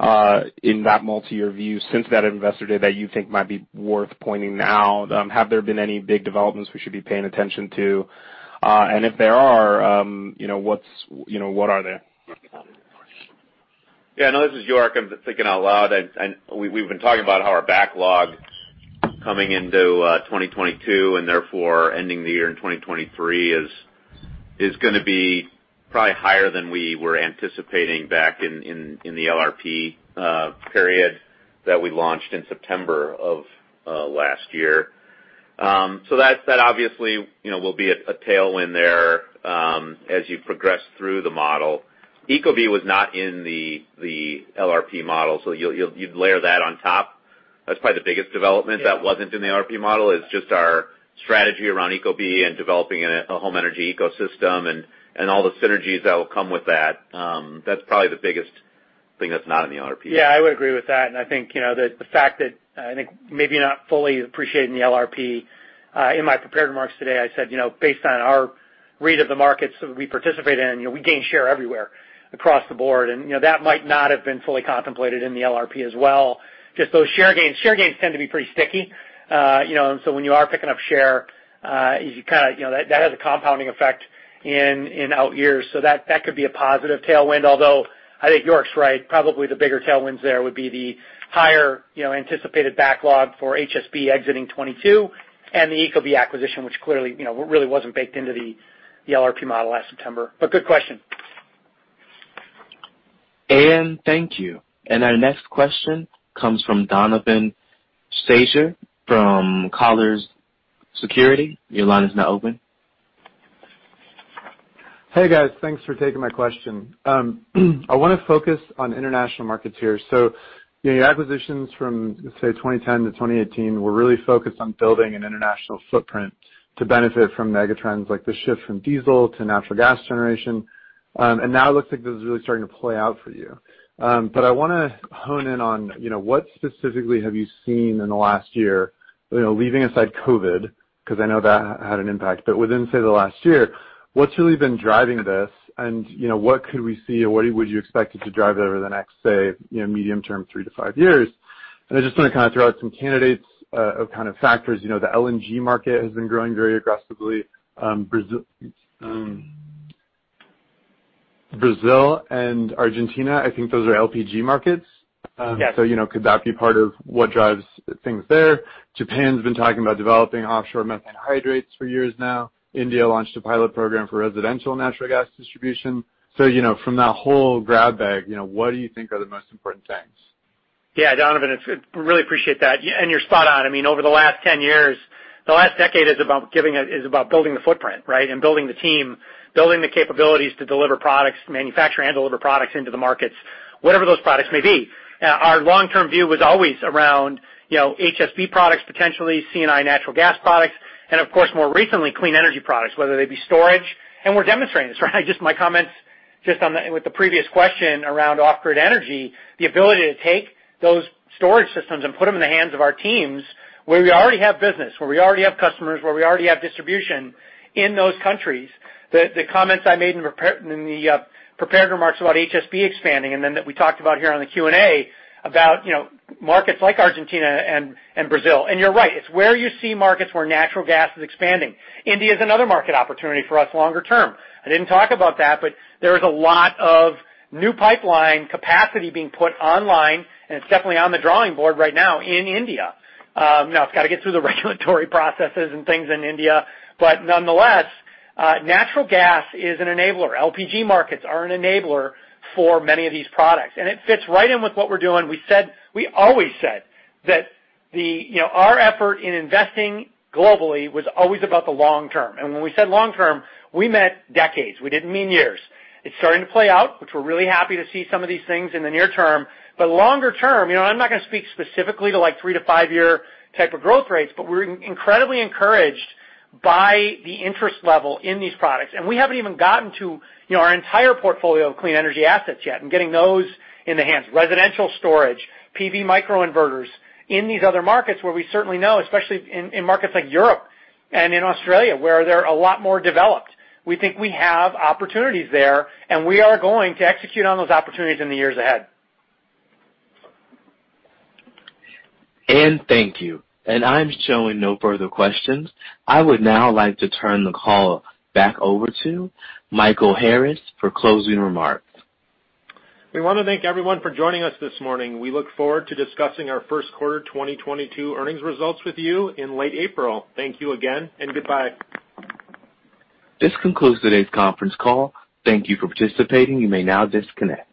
in that multi-year view since that Investor Day that you think might be worth pointing out now. Have there been any big developments we should be paying attention to? If there are, you know, what are they? Yeah, no, this is York Ragen. I'm thinking out loud. We've been talking about how our backlog coming into 2022, and therefore ending the year in 2023 is gonna be probably higher than we were anticipating back in the LRP period that we launched in September of last year. That's obviously, you know, will be a tailwind there as you progress through the model. Ecobee was not in the LRP model, so you'd layer that on top. That's probably the biggest development that wasn't in the LRP model is just our strategy around Ecobee and developing in a home energy ecosystem and all the synergies that will come with that. That's probably the biggest thing that's not in the LRP. Yeah, I would agree with that. I think, you know, the fact that, I think maybe not fully appreciating the LRP, in my prepared remarks today, I said, you know, based on our read of the markets we participate in, you know, we gain share everywhere across the board. You know, that might not have been fully contemplated in the LRP as well, just those share gains. Share gains tend to be pretty sticky. You know, when you are picking up share, you kinda, you know, that has a compounding effect in out years. That could be a positive tailwind. Although I think York's right, probably the bigger tailwinds there would be the higher, you know, anticipated backlog for HSB exiting 2022 and the Ecobee acquisition, which clearly, you know, really wasn't baked into the LRP model last September. Good question. Thank you. Our next question comes from Donovan Schafer from Colliers Securities. Your line is now open. Hey, guys. Thanks for taking my question. I wanna focus on international markets here. You know, your acquisitions from, say, 2010 to 2018 were really focused on building an international footprint to benefit from megatrends like the shift from diesel to natural gas generation. Now it looks like this is really starting to play out for you. I wanna hone in on, you know, what specifically have you seen in the last year, you know, leaving aside COVID, 'cause I know that had an impact, but within, say, the last year, what's really been driving this? You know, what could we see or what would you expect it to drive over the next, say, you know, medium term, three to five years? I just wanna kinda throw out some candidates of kind of factors. You know, the LNG market has been growing very aggressively. Brazil and Argentina, I think those are LPG markets. Yes. You know, could that be part of what drives things there? Japan's been talking about developing offshore methane hydrates for years now. India launched a pilot program for residential natural gas distribution. You know, from that whole grab bag, you know, what do you think are the most important things? Yeah. Donovan, it's good. We really appreciate that. You're spot on. I mean, over the last 10 years, the last decade is about building the footprint, right? Building the team, building the capabilities to deliver products, manufacture and deliver products into the markets, whatever those products may be. Our long-term view was always around, you know, HSB products, potentially C&I natural gas products, and of course, more recently, clean energy products, whether they be storage. We're demonstrating this, right? Just my comments with the previous question around Off Grid Energy, the ability to take those storage systems and put them in the hands of our teams where we already have business, where we already have customers, where we already have distribution in those countries. The comments I made in prepared remarks about HSB expanding and then that we talked about here on the Q&A about, you know, markets like Argentina and Brazil. You're right. It's where you see markets where natural gas is expanding. India's another market opportunity for us longer term. I didn't talk about that, but there is a lot of new pipeline capacity being put online, and it's definitely on the drawing board right now in India. Now it's gotta get through the regulatory processes and things in India. Nonetheless, natural gas is an enabler. LPG markets are an enabler for many of these products, and it fits right in with what we're doing. We always said that you know, our effort in investing globally was always about the long term. When we said long term, we meant decades. We didn't mean years. It's starting to play out, which we're really happy to see some of these things in the near term. Longer term, you know, I'm not gonna speak specifically to, like, three to five-year type of growth rates, but we're incredibly encouraged by the interest level in these products. We haven't even gotten to, you know, our entire portfolio of clean energy assets yet and getting those in the hands. Residential storage, PV microinverters in these other markets where we certainly know, especially in markets like Europe and in Australia, where they're a lot more developed. We think we have opportunities there, and we are going to execute on those opportunities in the years ahead. Ian, thank you. I'm showing no further questions. I would now like to turn the call back over to Michael Harris for closing remarks. We wanna thank everyone for joining us this morning. We look forward to discussing our first quarter 2022 earnings results with you in late April. Thank you again and goodbye. This concludes today's conference call. Thank you for participating. You may now disconnect.